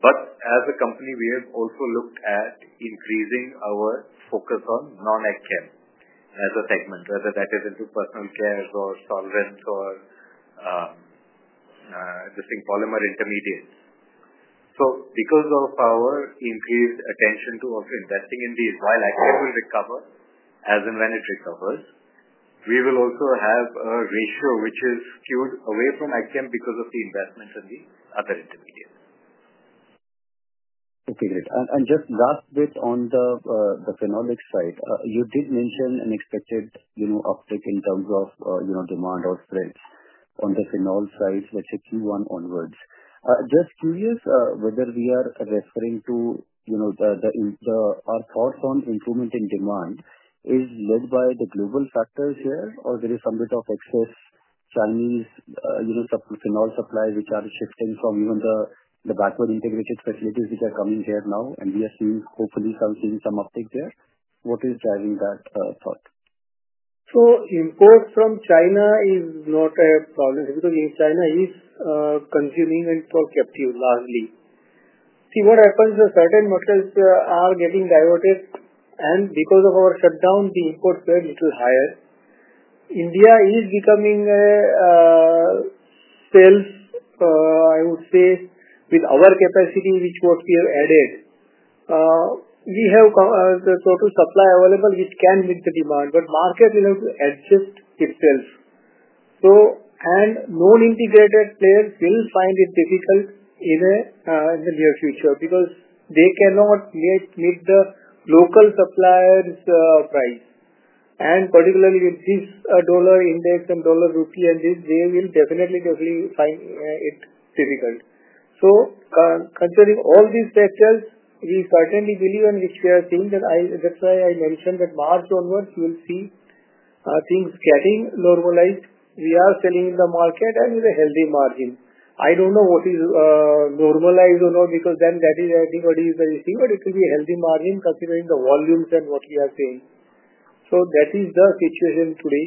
But as a company, we have also looked at increasing our focus on Non-Ag chem as a segment, whether that is into personal care or solvents or just in polymer intermediates. So because of our increased attention to also investing in these, while Ag chem will recover as and when it recovers, we will also have a ratio which is skewed away from Ag chem because of the investment in the other intermediates. Okay, great. And just last bit on the Phenolics side, you did mention an expected uptick in terms of demand outlooks on the Phenol side, let's say Q1 onwards. Just curious whether we are referring to our thoughts on improvement in demand is led by the global factors here, or there is some bit of excess Chinese phenol supplies which are shifting from even the backward integrated facilities which are coming here now, and we are seeing hopefully some uptick there. What is driving that thought? So, import from China is not a problem because China is consuming and for captive largely. See, what happens is certain metals are getting diverted, and because of our shutdown, the imports were a little higher. India is becoming a self, I would say, with our capacity, which what we have added. We have the total supply available, which can meet the demand, but the market will have to adjust itself, and non-integrated players will find it difficult in the near future because they cannot meet the local suppliers' price, and particularly with this dollar index and Dollar-Rupee and this, they will definitely, definitely find it difficult, so considering all these factors, we certainly believe and which we are seeing that that's why I mentioned that March onwards, you will see things getting normalized. We are selling in the market and with a healthy margin. I don't know what is normalized or not because then that is, I think, what the revenue is, but it will be a healthy margin considering the volumes and what we are seeing. That is the situation today.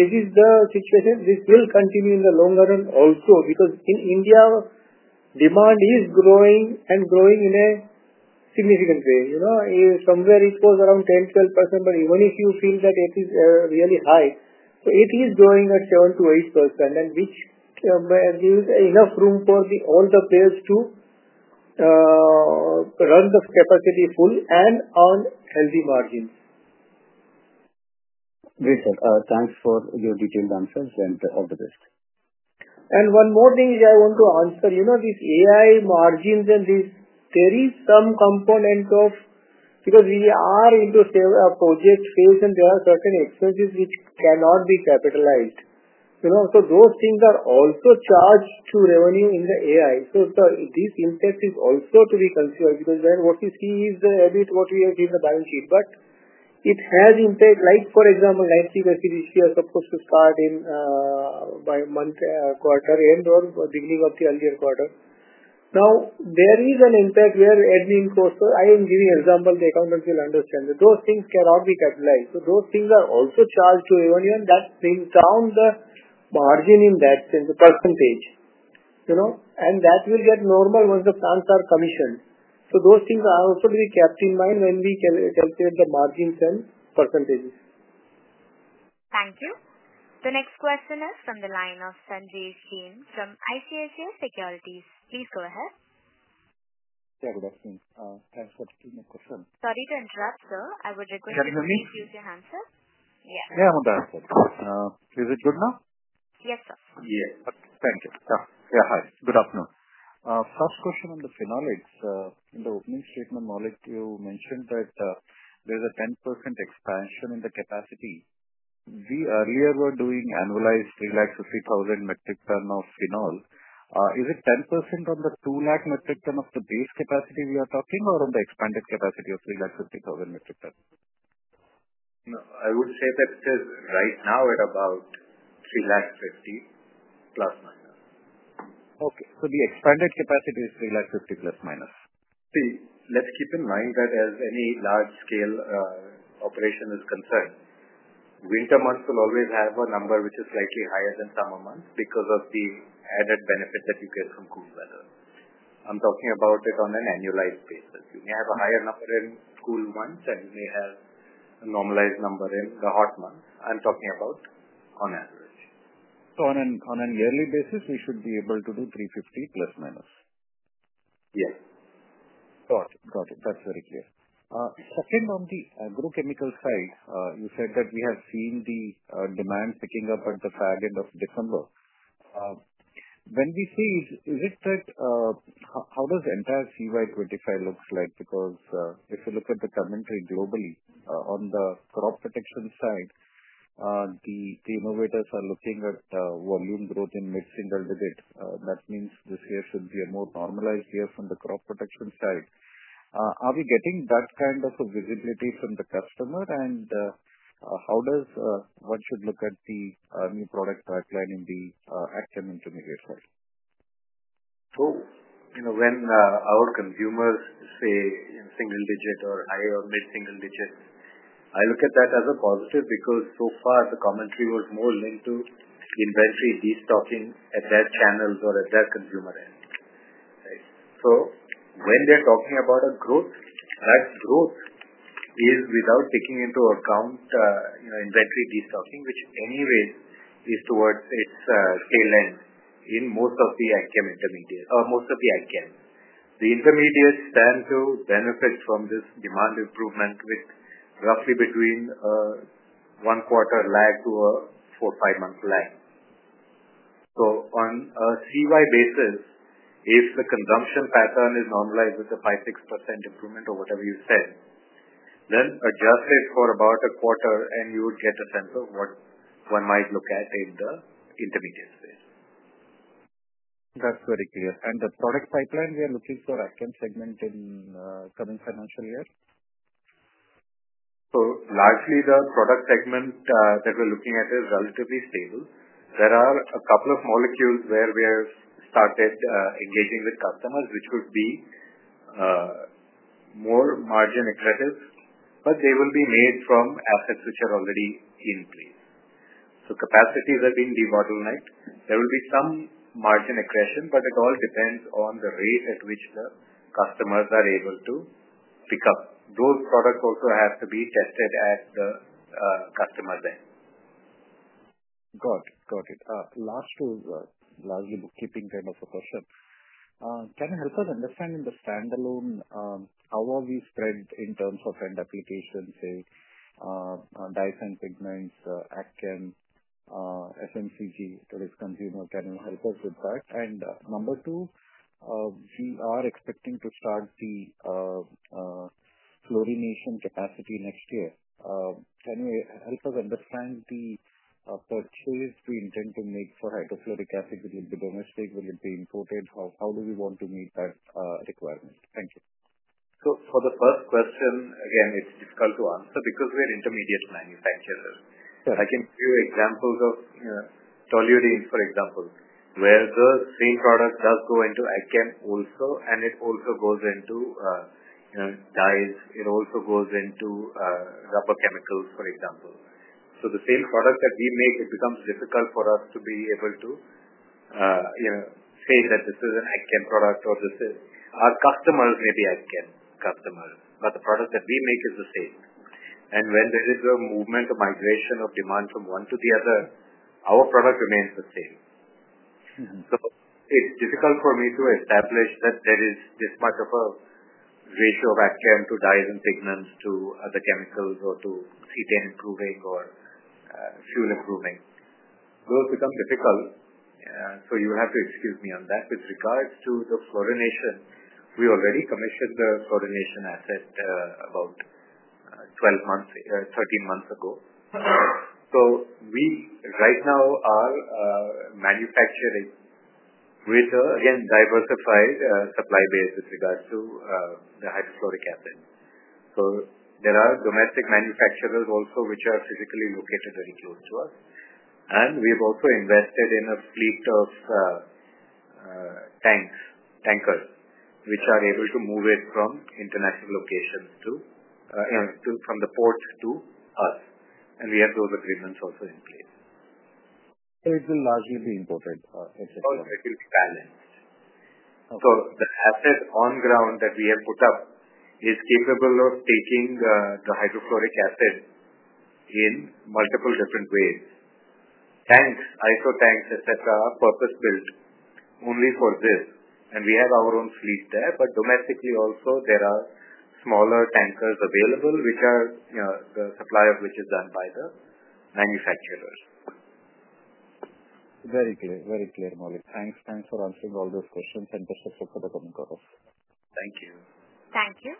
This is the situation which will continue in the longer run also because in India, demand is growing and growing in a significant way. Somewhere it was around 10%-12%, but even if you feel that it is really high, so it is growing at 7%-8%, and which gives enough room for all the players to run the capacity full and on healthy margins. Great, sir. Thanks for your detailed answers, and all the best. And one more thing I want to answer. You know these AI margins and these, there is some component of because we are into a project phase and there are certain expenses which cannot be capitalized. So those things are also charged to revenue in the AI. So this impact is also to be considered because then what we see is a bit what we have seen in the balance sheet, but it has impact. Like for example, nitric acid which we are supposed to start in by month, quarter end or beginning of the earlier quarter. Now, there is an impact where admin costs. I am giving an example. The accountants will understand that those things cannot be capitalized. So those things are also charged to revenue, and that brings down the margin in that sense, the percentage. And that will get normal once the plants are commissioned. Those things are also to be kept in mind when we calculate the margins and percentages. Thank you. The next question is from the line of Sanjesh Jain from ICICI Securities. Please go ahead. Yeah, good afternoon. Thanks for taking my question. Sorry to interrupt, sir. I would request you to please use your handset. Yeah, I'm on hands-free. Is it good now? Yes, sir. Yes. Thank you. Yeah, hi. Good afternoon. First question on the Phenolics. In the opening statement, Maulik, you mentioned that there is a 10% expansion in the capacity. We earlier were doing annualized 350,000 metric tonnes of phenol. Is it 10% on the 2 lakh metric tonnes of the base capacity we are talking or on the expanded capacity of 350,000 metric tonnes? No, I would say that it is right now at about 350,000± metric tonnes. Okay, so the expanded capacity is 350,000± metric tonnes. See, let's keep in mind that as any large-scale operation is concerned, winter months will always have a number which is slightly higher than summer months because of the added benefit that you get from cool weather. I'm talking about it on an annualized basis. You may have a higher number in cool months and you may have a normalized number in the hot months. I'm talking about on average. So on an yearly basis, we should be able to do 350,000± metric tonnes. Yes. Got it. Got it. That's very clear. Second, on the Agrochemical side, you said that we have seen the demand picking up at the far end of December. When we say, is it that how does entire CY 2025 look like? Because if you look at the commentary globally on the crop protection side, the innovators are looking at volume growth in mid-single digit. That means this year should be a more normalized year from the crop protection side. Are we getting that kind of a visibility from the customer? And how does one should look at the new product pipeline in the Ag chem intermediate side? When our consumers say single digit or higher or mid-single digit, I look at that as a positive because so far the commentary was more linked to inventory destocking at their channels or at their consumer end. When they're talking about a growth, that growth is without taking into account inventory destocking, which anyway is towards its tail end in most of the Ag chem intermediate or most of the Ag chem. The intermediates stand to benefit from this demand improvement with roughly between one quarter lag to a four, five-month lag. On a CY basis, if the consumption pattern is normalized with a 5%-6% improvement or whatever you said, then adjust it for about a quarter and you would get a sense of what one might look at in the intermediate space. That's very clear. And the product pipeline, we are looking for Ag chem segment in coming financial year? So largely, the product segment that we're looking at is relatively stable. There are a couple of molecules where we have started engaging with customers, which would be more margin aggressive, but they will be made from assets which are already in place. So capacities have been debottlenecked. There will be some margin aggression, but it all depends on the rate at which the customers are able to pick up. Those products also have to be tested at the customer then. Got it. Last is largely bookkeeping kind of a question. Can you help us understand in the standalone how are we spread in terms of end applications, say, Dyes and Pigments, Ag chem, FMCG, et cetera, consumer? Can you help us with that? And number two, we are expecting to start the fluorination capacity next year. Can you help us understand the purchase we intend to make for hydrofluoric acid? Will it be domestic? Will it be imported? How do we want to meet that requirement? Thank you. So for the first question, again, it's difficult to answer because we are intermediate manufacturers. I can give you examples of toluene, for example, where the same product does go into Ag chem also, and it also goes into dyes. It also goes into rubber chemicals, for example. So the same product that we make, it becomes difficult for us to be able to say that this is an Ag chem product or this is our customers may be Ag chem customers, but the product that we make is the same. And when there is a movement of migration of demand from one to the other, our product remains the same. So it's difficult for me to establish that there is this much of a ratio of Ag chem to dyes and pigments to other chemicals or to Cetane improving or fuel improving. Those become difficult. So you have to excuse me on that. With regards to the fluorination, we already commissioned the fluorination asset about 12 months, 13 months ago. So we right now are manufacturing with, again, diversified supply base with regards to the hydrofluoric acid. So there are domestic manufacturers also which are physically located very close to us. And we have also invested in a fleet of tanks, tankers, which are able to move it from international locations to, from the ports to us. And we have those agreements also in place. So it will largely be imported? No, it will be balanced. So the asset on ground that we have put up is capable of taking the hydrofluoric acid in multiple different ways. Tanks, ISO tanks, etc., are purpose-built only for this. And we have our own fleet there, but domestically also, there are smaller tankers available, which are the supply of which is done by the manufacturers. Very clear. Very clear, Maulik. Thanks. Thanks for answering all those questions and best of luck for the coming quarter. Thank you. Thank you.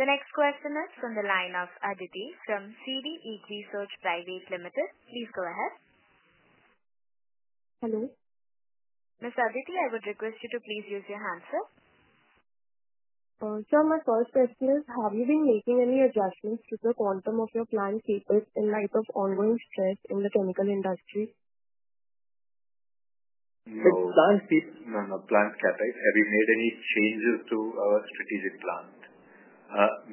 The next question is from the line of Aditi from CD Equisearch Private Limited. Please go ahead. Hello. Ms. Aditi, I would request you to please use your handset. Sir, my first question is, have you been making any adjustments to the quantum of your plant CapEx in light of ongoing stress in the chemical industry? No, no, no. Plant capabilities. Have you made any changes to our strategic plan?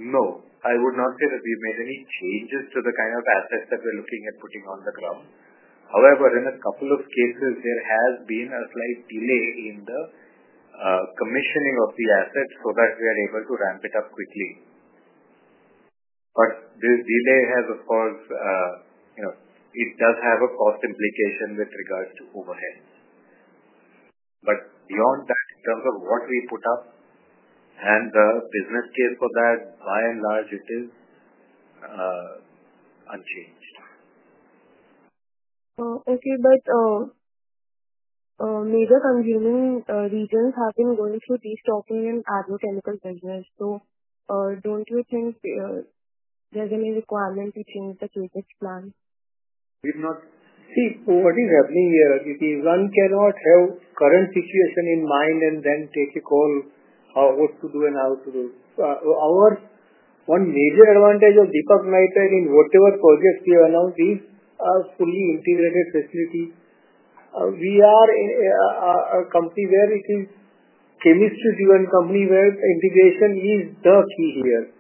No, I would not say that we've made any changes to the kind of assets that we're looking at putting on the ground. However, in a couple of cases, there has been a slight delay in the commissioning of the assets so that we are able to ramp it up quickly. But this delay has, of course, a cost implication with regards to overheads. But beyond that, in terms of what we put up and the business case for that, by and large, it is unchanged. Okay, but major consuming regions have been going through destocking in Agrochemical business. So don't you think there's any requirement to change the capability plan? We have not. See, what is happening here, it is one cannot have current situation in mind and then take a call on what to do and how to do. Our one major advantage of Deepak Nitrite in whatever projects we announce is a fully integrated facility. We are a company where it is chemistry-driven company where integration is the key here.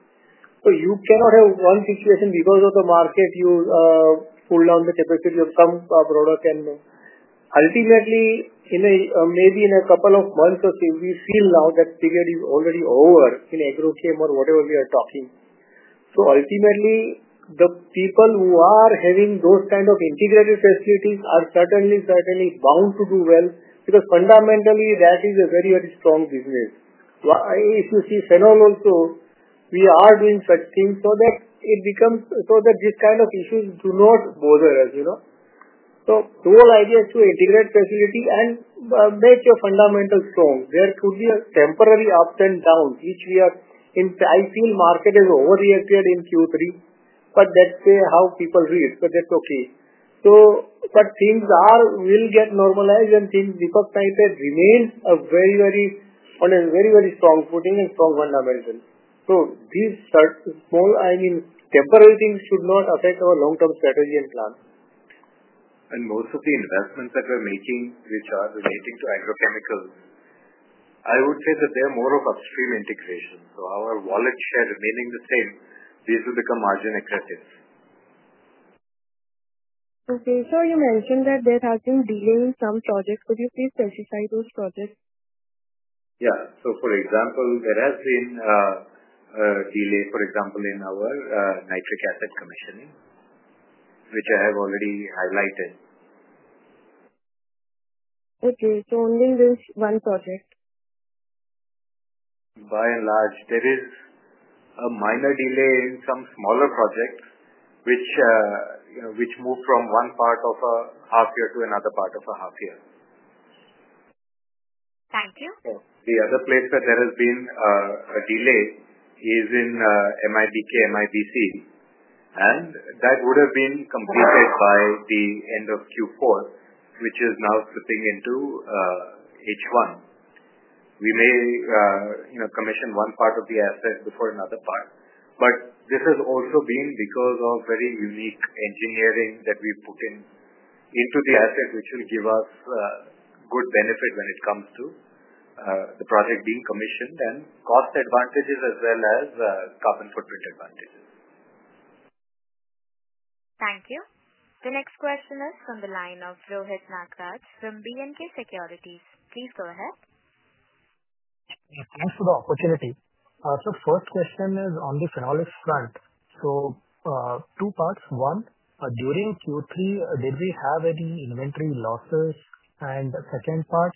So you cannot have one situation because of the market, you pull down the capacity of some product. And ultimately, maybe in a couple of months or so, we feel now that period is already over in Agrochem or whatever we are talking. So ultimately, the people who are having those kind of integrated facilities are certainly, certainly bound to do well because fundamentally, that is a very, very strong business. If you see phenol also, we are doing such things so that it becomes so that this kind of issues do not bother us, so the whole idea is to integrate facility and make your fundamentals strong. There could be a temporary ups and downs, which we are in. I feel the market has overreacted in Q3, but that's how people react. But that's okay, but things will get normalized and Deepak Nitrite remains on a very, very strong footing and strong fundamentals, so these small, I mean, temporary things should not affect our long-term strategy and plan. Most of the investments that we're making, which are relating to Agrochemicals, I would say that they are more of upstream integration. Our wallet share remaining the same, these will become margin aggressives. Okay. So you mentioned that there has been delay in some projects. Could you please specify those projects? Yeah. So for example, there has been a delay, for example, in our nitric acid commissioning, which I have already highlighted. Okay, so only in this one project? By and large, there is a minor delay in some smaller projects, which moved from one part of a half year to another part of a half year. Thank you. The other place where there has been a delay is in MIBK/MIBC, and that would have been completed by the end of Q4, which is now slipping into H1. We may commission one part of the asset before another part, but this has also been because of very unique engineering that we've put into the asset, which will give us good benefit when it comes to the project being commissioned and cost advantages as well as carbon footprint advantages. Thank you. The next question is from the line of Rohit Nagraj from B&K Securities. Please go ahead. Thanks for the opportunity. So first question is on the Phenolics front. So two parts. One, during Q3, did we have any inventory losses? And second part,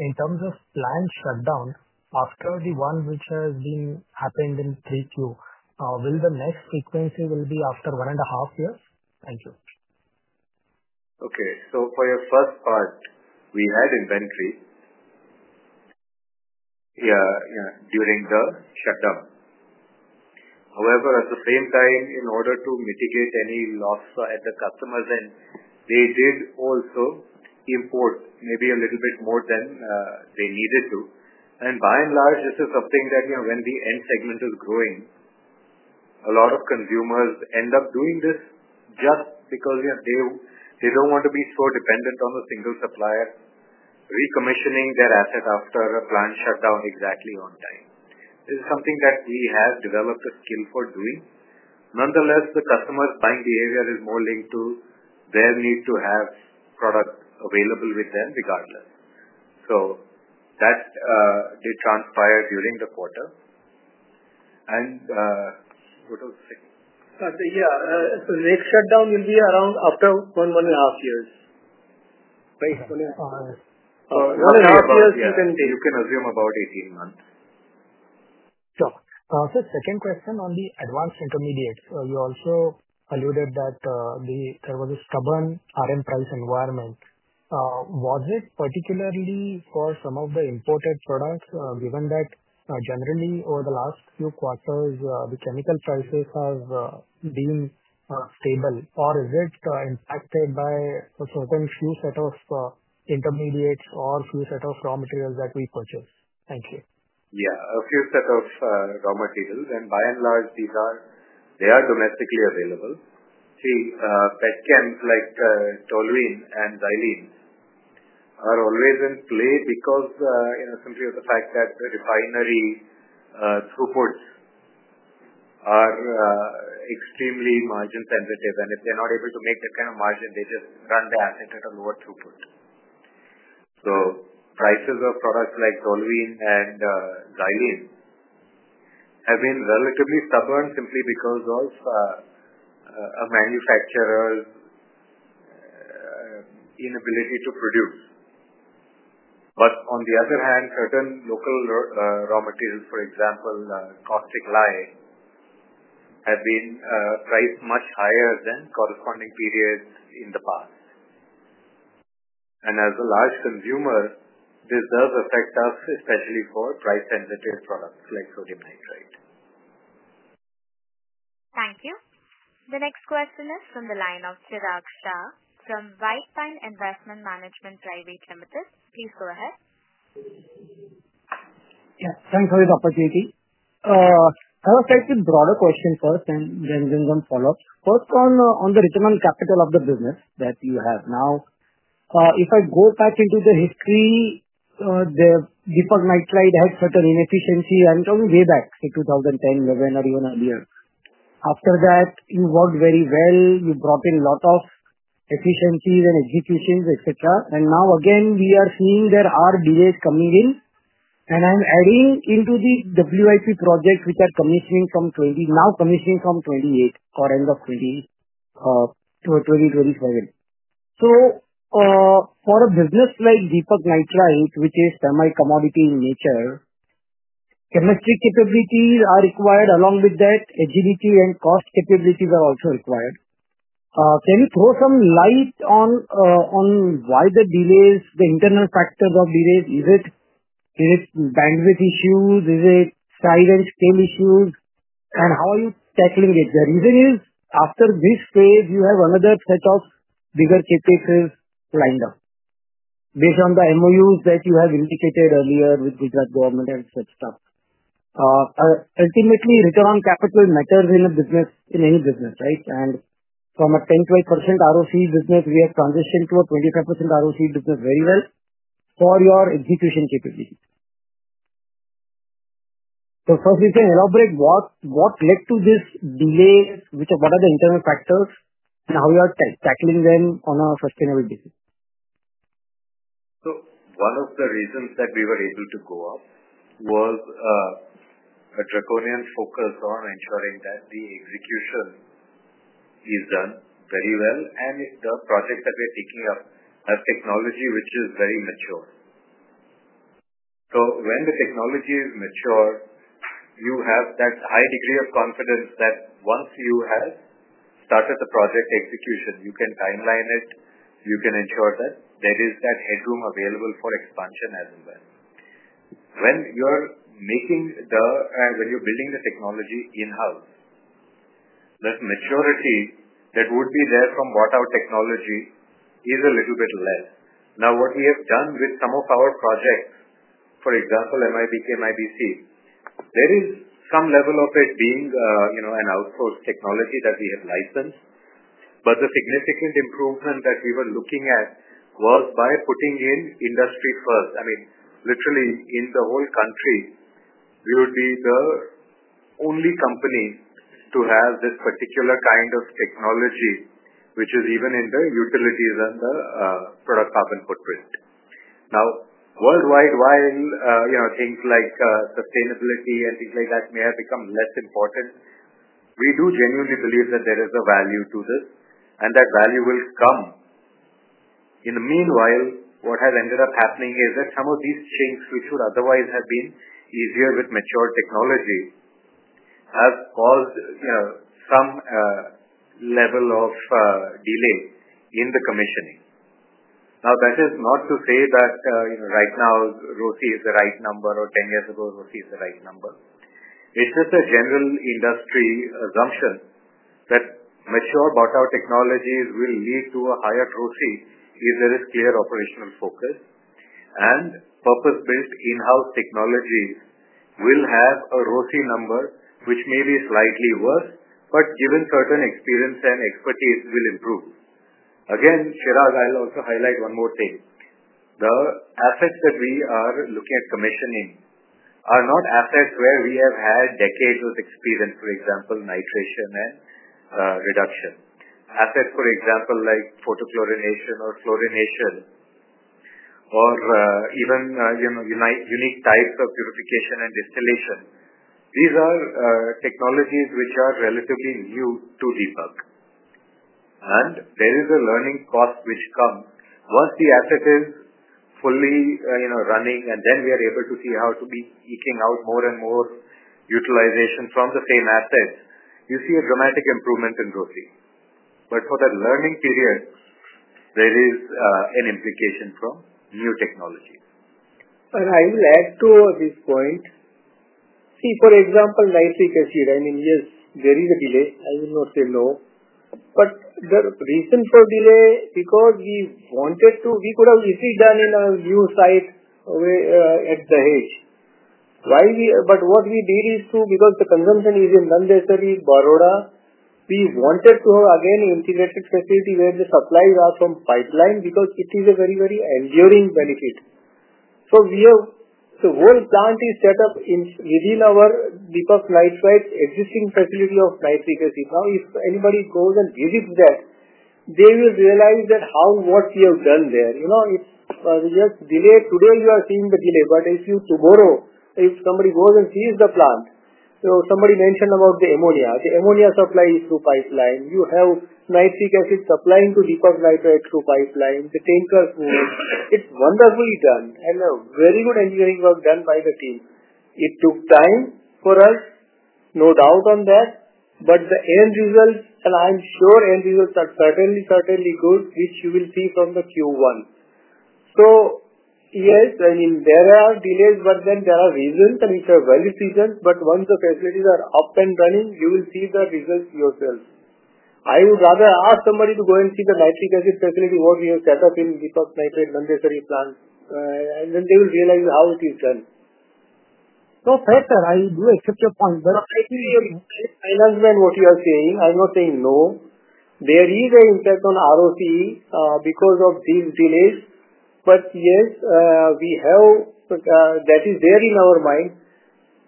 in terms of planned shutdown after the one which has been happened in Q3, will the next frequency be after one and a half years? Thank you. Okay. So for your first part, we had inventory during the shutdown. However, at the same time, in order to mitigate any loss at the customers' end, they did also import maybe a little bit more than they needed to. And by and large, this is something that when the end segment is growing, a lot of consumers end up doing this just because they don't want to be so dependent on the single supplier recommissioning their asset after a planned shutdown exactly on time. This is something that we have developed a skill for doing. Nonetheless, the customer's buying behavior is more linked to their need to have product available with them regardless. So that did transpire during the quarter. And what was the second? Yeah. So, next shutdown will be around after 1.5 years. One and a half years you can take. You can assume about 18 months. Sure. So second question on the Advanced Intermediates. You also alluded that there was a stubborn RM price environment. Was it particularly for some of the imported products, given that generally over the last few quarters, the chemical prices have been stable, or is it impacted by a certain few set of intermediates or few set of raw materials that we purchase? Thank you. Yeah. A few set of raw materials. And by and large, they are domestically available. See, petchem like toluene and xylene are always in play because simply of the fact that the refinery throughputs are extremely margin sensitive. And if they're not able to make that kind of margin, they just run their asset at a lower throughput. So prices of products like toluene and xylene have been relatively stubborn simply because of a manufacturer's inability to produce. But on the other hand, certain local raw materials, for example, caustic lye, have been priced much higher than corresponding periods in the past. And as a large consumer, this does affect us, especially for price-sensitive products like sodium nitrate. Thank you. The next question is from the line of Chirag Shah from White Pine Investment Management Private Limited. Please go ahead. Yeah. Thanks for the opportunity. I have a slightly broader question first and then do some follow-ups. First, on the return on capital of the business that you have now, if I go back into the history, Deepak Nitrite had certain inefficiencies. I'm talking way back to 2010, 2011, or even earlier. After that, you worked very well. You brought in a lot of efficiencies and executions, etc. And now again, we are seeing there are delays coming in. And I'm adding into the WIP projects, which are commissioning from 2020 now commissioning from 2028 or end of 2027. So for a business like Deepak Nitrite's, which is semi-commodity in nature, chemistry capabilities are required. Along with that, agility and cost capabilities are also required. Can you throw some light on why the delays, the internal factors of delays? Is it bandwidth issues? Is it size and scale issues? How are you tackling it? The reason is, after this phase, you have another set of bigger capabilities lined up based on the MoUs that you have indicated earlier with the Gujarat government and such stuff. Ultimately, return on capital matters in a business, in any business, right? From a 10%-12% ROCE business, we have transitioned to a 25% ROCE business very well for your execution capability. First, you can elaborate what led to this delay, what are the internal factors, and how you are tackling them on a sustainable basis? So one of the reasons that we were able to go up was a draconian focus on ensuring that the execution is done very well. And the projects that we are taking up have technology which is very mature. So when the technology is mature, you have that high degree of confidence that once you have started the project execution, you can timeline it. You can ensure that there is that headroom available for expansion as well. When you're building the technology in-house, the maturity that would be there from bought-out technology is a little bit less. Now, what we have done with some of our projects, for example, MIBK/MIBC, there is some level of it being an outsourced technology that we have licensed. But the significant improvement that we were looking at was by putting in industry-first. I mean, literally, in the whole country, we would be the only company to have this particular kind of technology, which is even in the utilities and the product carbon footprint. Now, worldwide, while things like sustainability and things like that may have become less important, we do genuinely believe that there is a value to this, and that value will come. In the meanwhile, what has ended up happening is that some of these chains, which would otherwise have been easier with mature technology, have caused some level of delay in the commissioning. Now, that is not to say that right now, ROCE is the right number, or 10 years ago, ROCE is the right number. It's just a general industry assumption that mature bought-out technologies will lead to a higher ROCE if there is clear operational focus. Purpose-built in-house technologies will have a ROCE number, which may be slightly worse, but given certain experience and expertise, will improve. Again, Chirag, I'll also highlight one more thing. The assets that we are looking at commissioning are not assets where we have had decades of experience, for example, nitration and reduction. Assets, for example, like photochlorination or chlorination or even unique types of purification and distillation. These are technologies which are relatively new to Deepak. There is a learning cost which comes. Once the asset is fully running, and then we are able to see how to be eking out more and more utilization from the same assets, you see a dramatic improvement in ROCE. But for the learning period, there is an implication from new technologies. I will add to this point. See, for example, nitric acid. I mean, yes, there is a delay. I will not say no. The reason for delay is because we wanted to. We could have easily done in a new site at the edge. What we did is to, because the consumption is in Nandesari, Baroda, we wanted to have again an integrated facility where the supplies are from pipeline because it is a very, very enduring benefit. The whole plant is set up within our Deepak Nitrite's existing facility of nitric acid. Now, if anybody goes and visits that, they will realize that how what we have done there. It's just delay. Today, you are seeing the delay. If you tomorrow, if somebody goes and sees the plant, somebody mentioned about the ammonia. The ammonia supply is through pipeline. You have nitric acid supplying to Deepak Nitrite through pipeline. The tankers move. It's wonderfully done and very good engineering work done by the team. It took time for us, no doubt on that. But the end results, and I'm sure end results are certainly, certainly good, which you will see from the Q1. So yes, I mean, there are delays, but then there are reasons, and which are well-decided. But once the facilities are up and running, you will see the results yourself. I would rather ask somebody to go and see the nitric acid facility, what we have set up in Deepak Nitrite's Nandesari plant. And then they will realize how it is done. No, fair, sir. I do accept your point. But. [I know] what you are saying, I'm not saying no. There is an impact on ROCE because of these delays. But yes, we have that is there in our mind.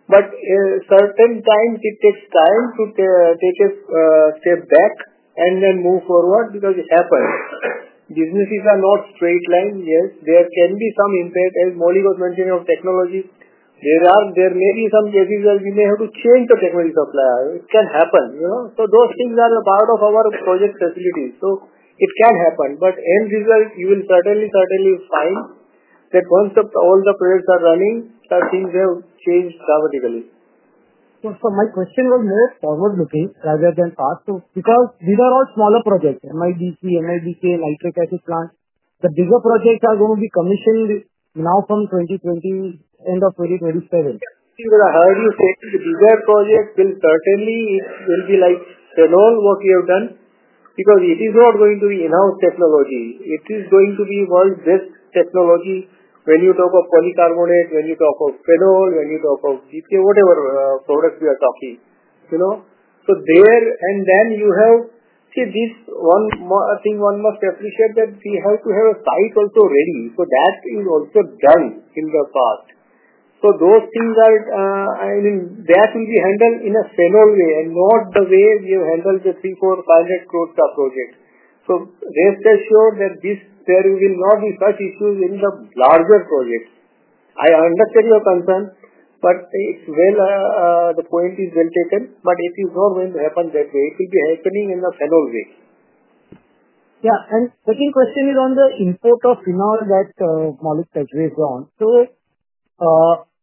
But certain times, it takes time to take a step back and then move forward because it happens. Businesses are not straight line. Yes, there can be some impact. As Maulik was mentioning of technology, there may be some cases where we may have to change the technology supplier. It can happen. So those things are a part of our project facilities. So it can happen. But end result, you will certainly, certainly find that once all the projects are running, things have changed dramatically. So my question was more forward-looking rather than past because these are all smaller projects, MIBC/MIBK, nitric acid plant. The bigger projects are going to be commissioned now from 2020, end of 2027. Yes. I heard you say the bigger projects will certainly be like phenol, what we have done, because it is not going to be in-house technology. It is going to be world-based technology when you talk of polycarbonate, when you talk of phenol, when you talk of whatever products we are talking. So there. And then you have see this one thing one must appreciate that we have to have a site also ready. So that is also done in the past. So those things are, I mean, that will be handled in a phenol way and not the way we have handled the 300 crore-500 crore project. So rest assured that this there will not be such issues in the larger projects. I understand your concern, but the point is well taken. But it is not going to happen that way. It will be happening in the phenol way. Yeah. And second question is on the import of phenol that Maulik touched base on. So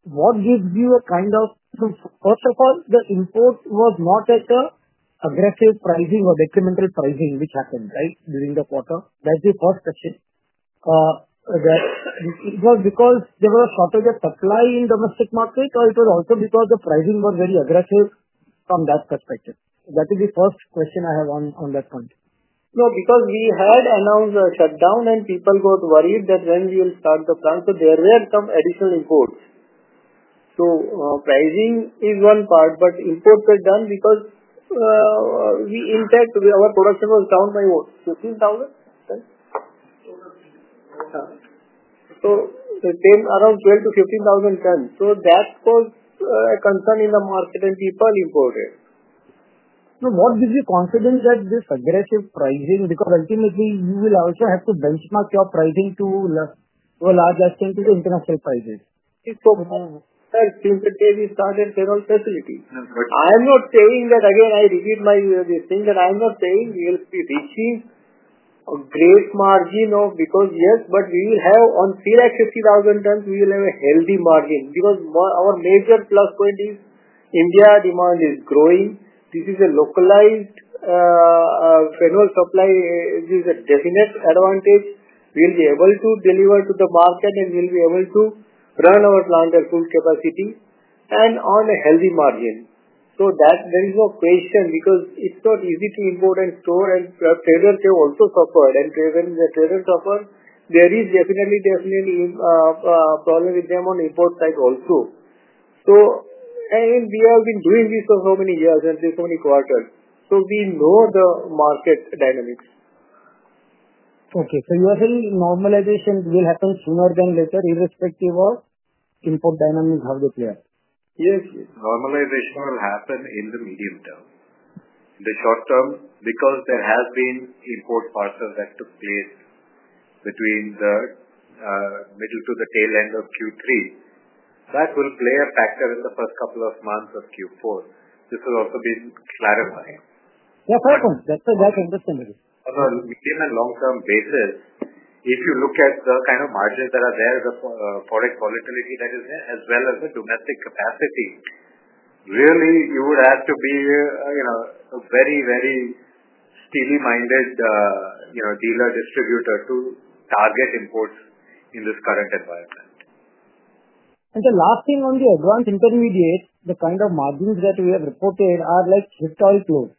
what gives you a kind of first of all, the import was not at an aggressive pricing or detrimental pricing, which happened, right, during the quarter? That's the first question. Was it because there was a shortage of supply in the domestic market, or it was also because the pricing was very aggressive from that perspective? That is the first question I have on that point. No, because we had announced the shutdown, and people got worried that when we will start the plant. So there were some additional imports. So pricing is one part, but imports were done because we in fact, our production was down by what? 15,000 tonnes? So around 12,000 tonnes-15,000 tonnes. So that was a concern in the market, and people imported. So what gives you confidence that this aggressive pricing? Because ultimately, you will also have to benchmark your pricing to a large extent to the international prices. It's so simple that we started phenol facility. I am not saying that again. I repeat my thing that I am not saying we will be reaching a great margin of because yes, but we will have on 350,000 tonnes we will have a healthy margin because our major plus point is India demand is growing. This is a localized phenol supply. This is a definite advantage. We will be able to deliver to the market, and we will be able to run our plant at full capacity and on a healthy margin, so there is no question because it's not easy to import and store, and traders have also suffered. And when the traders suffer, there is definitely, definitely a problem with them on the import side also, so we have been doing this for so many years and so many quarters. So we know the market dynamics. Okay. So you are saying normalization will happen sooner than later irrespective of import dynamics, how they play out? Yes. Normalization will happen in the medium term. In the short term, because there have been import parcels that took place between the middle to the tail end of Q3, that will play a factor in the first couple of months of Q4. This has also been clarified. Yeah, fair point. That's understandable. On a medium and long-term basis, if you look at the kind of margins that are there, the product volatility that is there, as well as the domestic capacity, really, you would have to be a very, very steely-minded dealer distributor to target imports in this current environment. The last thing on the Advanced Intermediates, the kind of margins that we have reported are like historic low.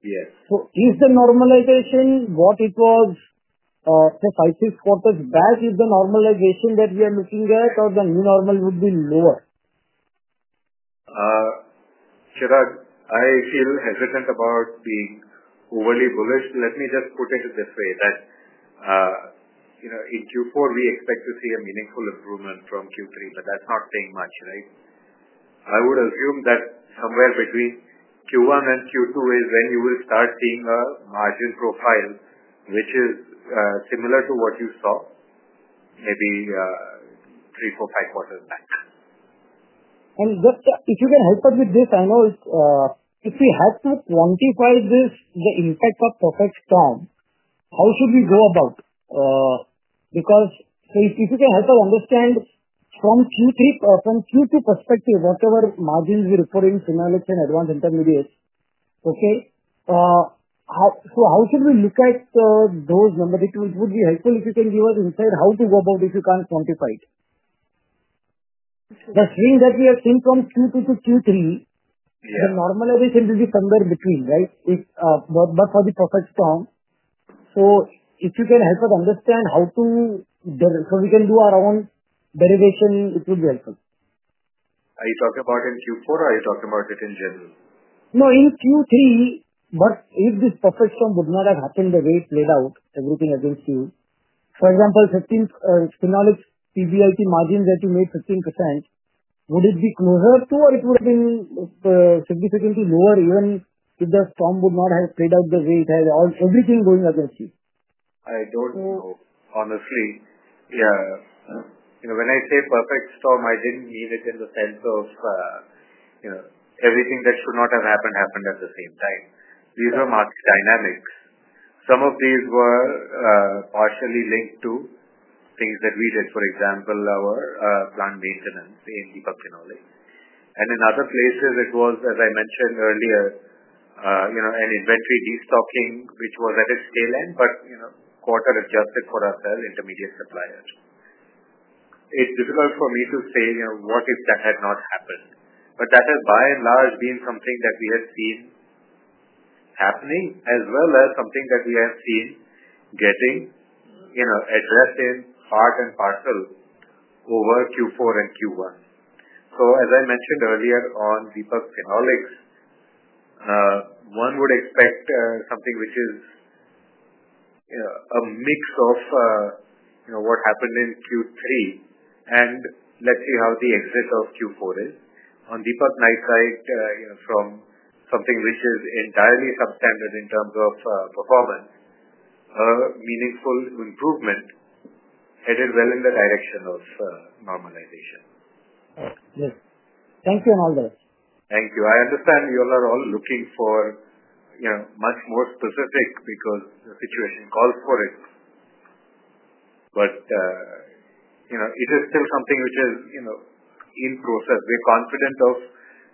Yes. So is the normalization what it was, say, five, six quarters back, is the normalization that we are looking at, or the new normal would be lower? Chirag, I feel hesitant about being overly bullish. Let me just put it this way that in Q4, we expect to see a meaningful improvement from Q3, but that's not saying much, right? I would assume that somewhere between Q1 and Q2 is when you will start seeing a margin profile which is similar to what you saw maybe three, four, five quarters back. And just if you can help us with this, I know if we have to quantify this, the impact of perfect storm, how should we go about? Because if you can help us understand from Q2 perspective, whatever margins we report in Phenolics and Advanced Intermediates, okay, so how should we look at those number? It would be helpful if you can give us insight how to go about if you can't quantify it. The swing that we have seen from Q2-Q3, the normalization will be somewhere between, right, but for the perfect storm. So if you can help us understand how to, so we can do our own derivation, it would be helpful. Are you talking about in Q4, or are you talking about it in general? No, in Q3. But if this perfect storm would not have happened the way it played out, everything against you, for example, Phenolics PBIT margins that you made 15%, would it be closer to, or it would have been significantly lower even if the storm would not have played out the way it had everything going against you? I don't know, honestly. Yeah. When I say perfect storm, I didn't mean it in the sense of everything that should not have happened happened at the same time. These are market dynamics. Some of these were partially linked to things that we did, for example, our plant maintenance in Deepak Phenolics. And in other places, it was, as I mentioned earlier, an inventory destocking, which was at its tail end, but quarter adjusted for our intermediate suppliers. It's difficult for me to say what if that had not happened. But that has, by and large, been something that we have seen happening, as well as something that we have seen getting addressed in part and parcel over Q4 and Q1. So as I mentioned earlier on Deepak Phenolics, one would expect something which is a mix of what happened in Q3, and let's see how the exit of Q4 is. On Deepak Nitrite, from something which is entirely substandard in terms of performance, a meaningful improvement headed well in the direction of normalization. Yes. Thank you and all the rest. Thank you. I understand you all are looking for much more specific because the situation calls for it. But it is still something which is in process. We're confident of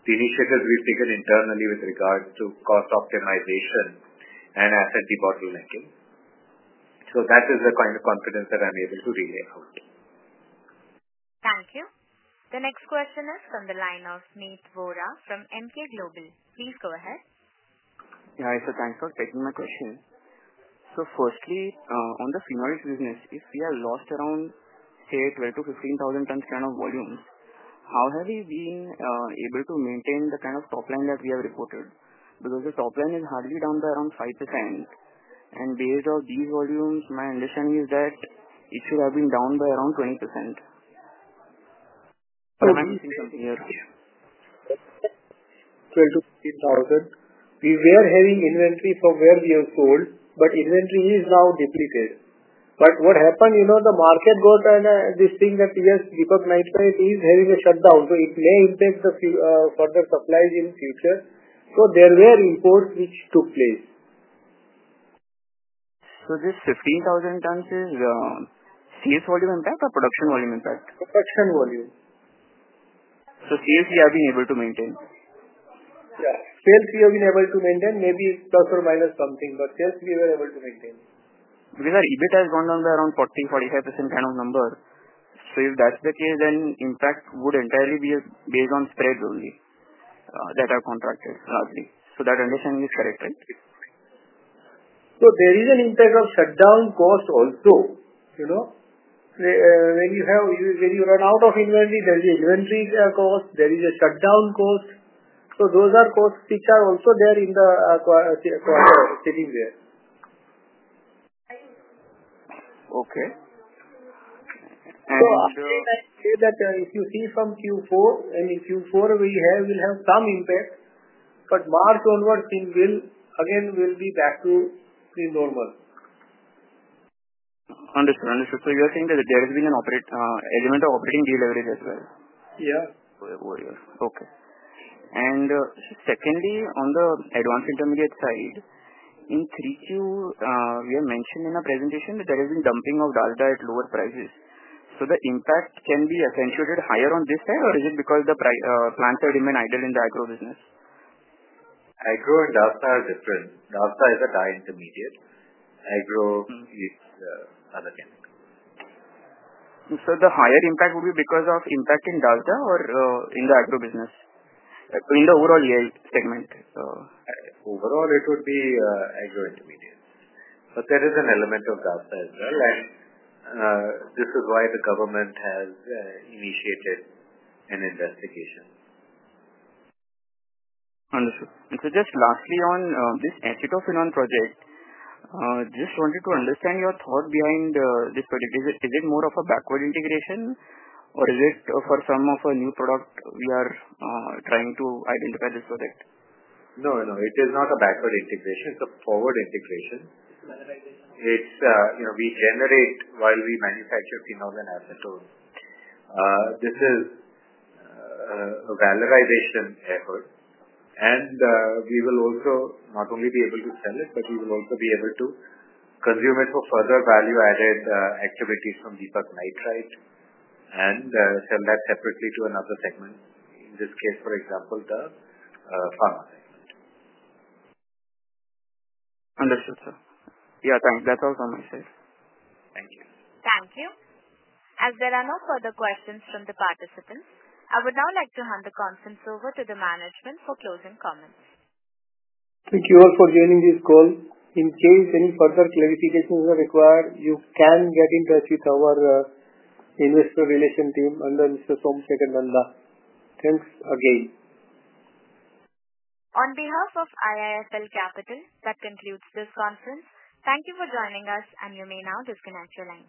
the initiatives we've taken internally with regards to cost optimization and asset debottlenecking. So that is the kind of confidence that I'm able to relay out. Thank you. The next question is from the line of Meet Vora from Emkay Global. Please go ahead. Yeah. So thanks for taking my question. So firstly, on the Phenolic business, if we have lost around, say, 12,000 tonnes-15,000 tonnes kind of volumes, how have we been able to maintain the kind of top line that we have reported? Because the top line is hardly down by around 5%. And based on these volumes, my understanding is that it should have been down by around 20%. Am I missing something here? 12,000 tonnes-15,000 tonnes. We were having inventory from where we have sold, but inventory is now depleted. But what happened, the market got this thing that, yes, Deepak Nitrite is having a shutdown. So it may impact the further supplies in the future. So there were imports which took place. This 15,000 tonnes is sales volume impact or production volume impact? Production volume. So sales we have been able to maintain? Yeah. Sales we have been able to maintain, maybe plus or minus something. But sales we were able to maintain. Because our EBIT has gone down by around 40%-45% kind of number. So if that's the case, then impact would entirely be based on spreads only that are contracted largely. So that understanding is correct, right? So there is an impact of shutdown cost also. When you run out of inventory, there is an inventory cost. There is a shutdown cost. So those are costs which are also there in the quarter sitting there. Okay. I'd say that if you see from Q4, I mean, Q4 we will have some impact, but March onwards, again, we'll be back to normal. Understood. Understood. So you are saying that there has been an element of operating deal leverage as well? Yeah. Okay, and secondly, on the Advanced Intermediate side, in 3Q, we have mentioned in our presentation that there has been dumping of DASDA at lower prices. So the impact can be accentuated higher on this side, or is it because the plants have remained idle in the Agro business? Agro and DASDA are different. DASDA is a key intermediate. Agro is another chemical. So the higher impact would be because of impact in DASDA or in the Agro business, in the overall yield segment? Overall, it would be agro intermediates. But there is an element of DASDA as well, and this is why the government has initiated an investigation. Understood. So just lastly, on this Acetophenone Project, just wanted to understand your thought behind this project. Is it more of a backward integration, or is it for some of a new product we are trying to identify this project? No, no. It is not a backward integration. It's a forward integration. It's valorization. We generate while we manufacture phenol and acetone. This is a valorization effort. And we will also not only be able to sell it, but we will also be able to consume it for further value-added activities from Deepak Nitrite and sell that separately to another segment, in this case, for example, the Pharma segment. Understood, sir. Yeah, thanks. That's all from my side. Thank you. Thank you. As there are no further questions from the participants, I would now like to hand the conference over to the management for closing comments. Thank you all for joining this call. In case any further clarifications are required, you can get in touch with our investor relations team under Mr. Somsekhar Nanda. Thanks again. On behalf of IIFL Capital, that concludes this conference. Thank you for joining us, and you may now disconnect your line.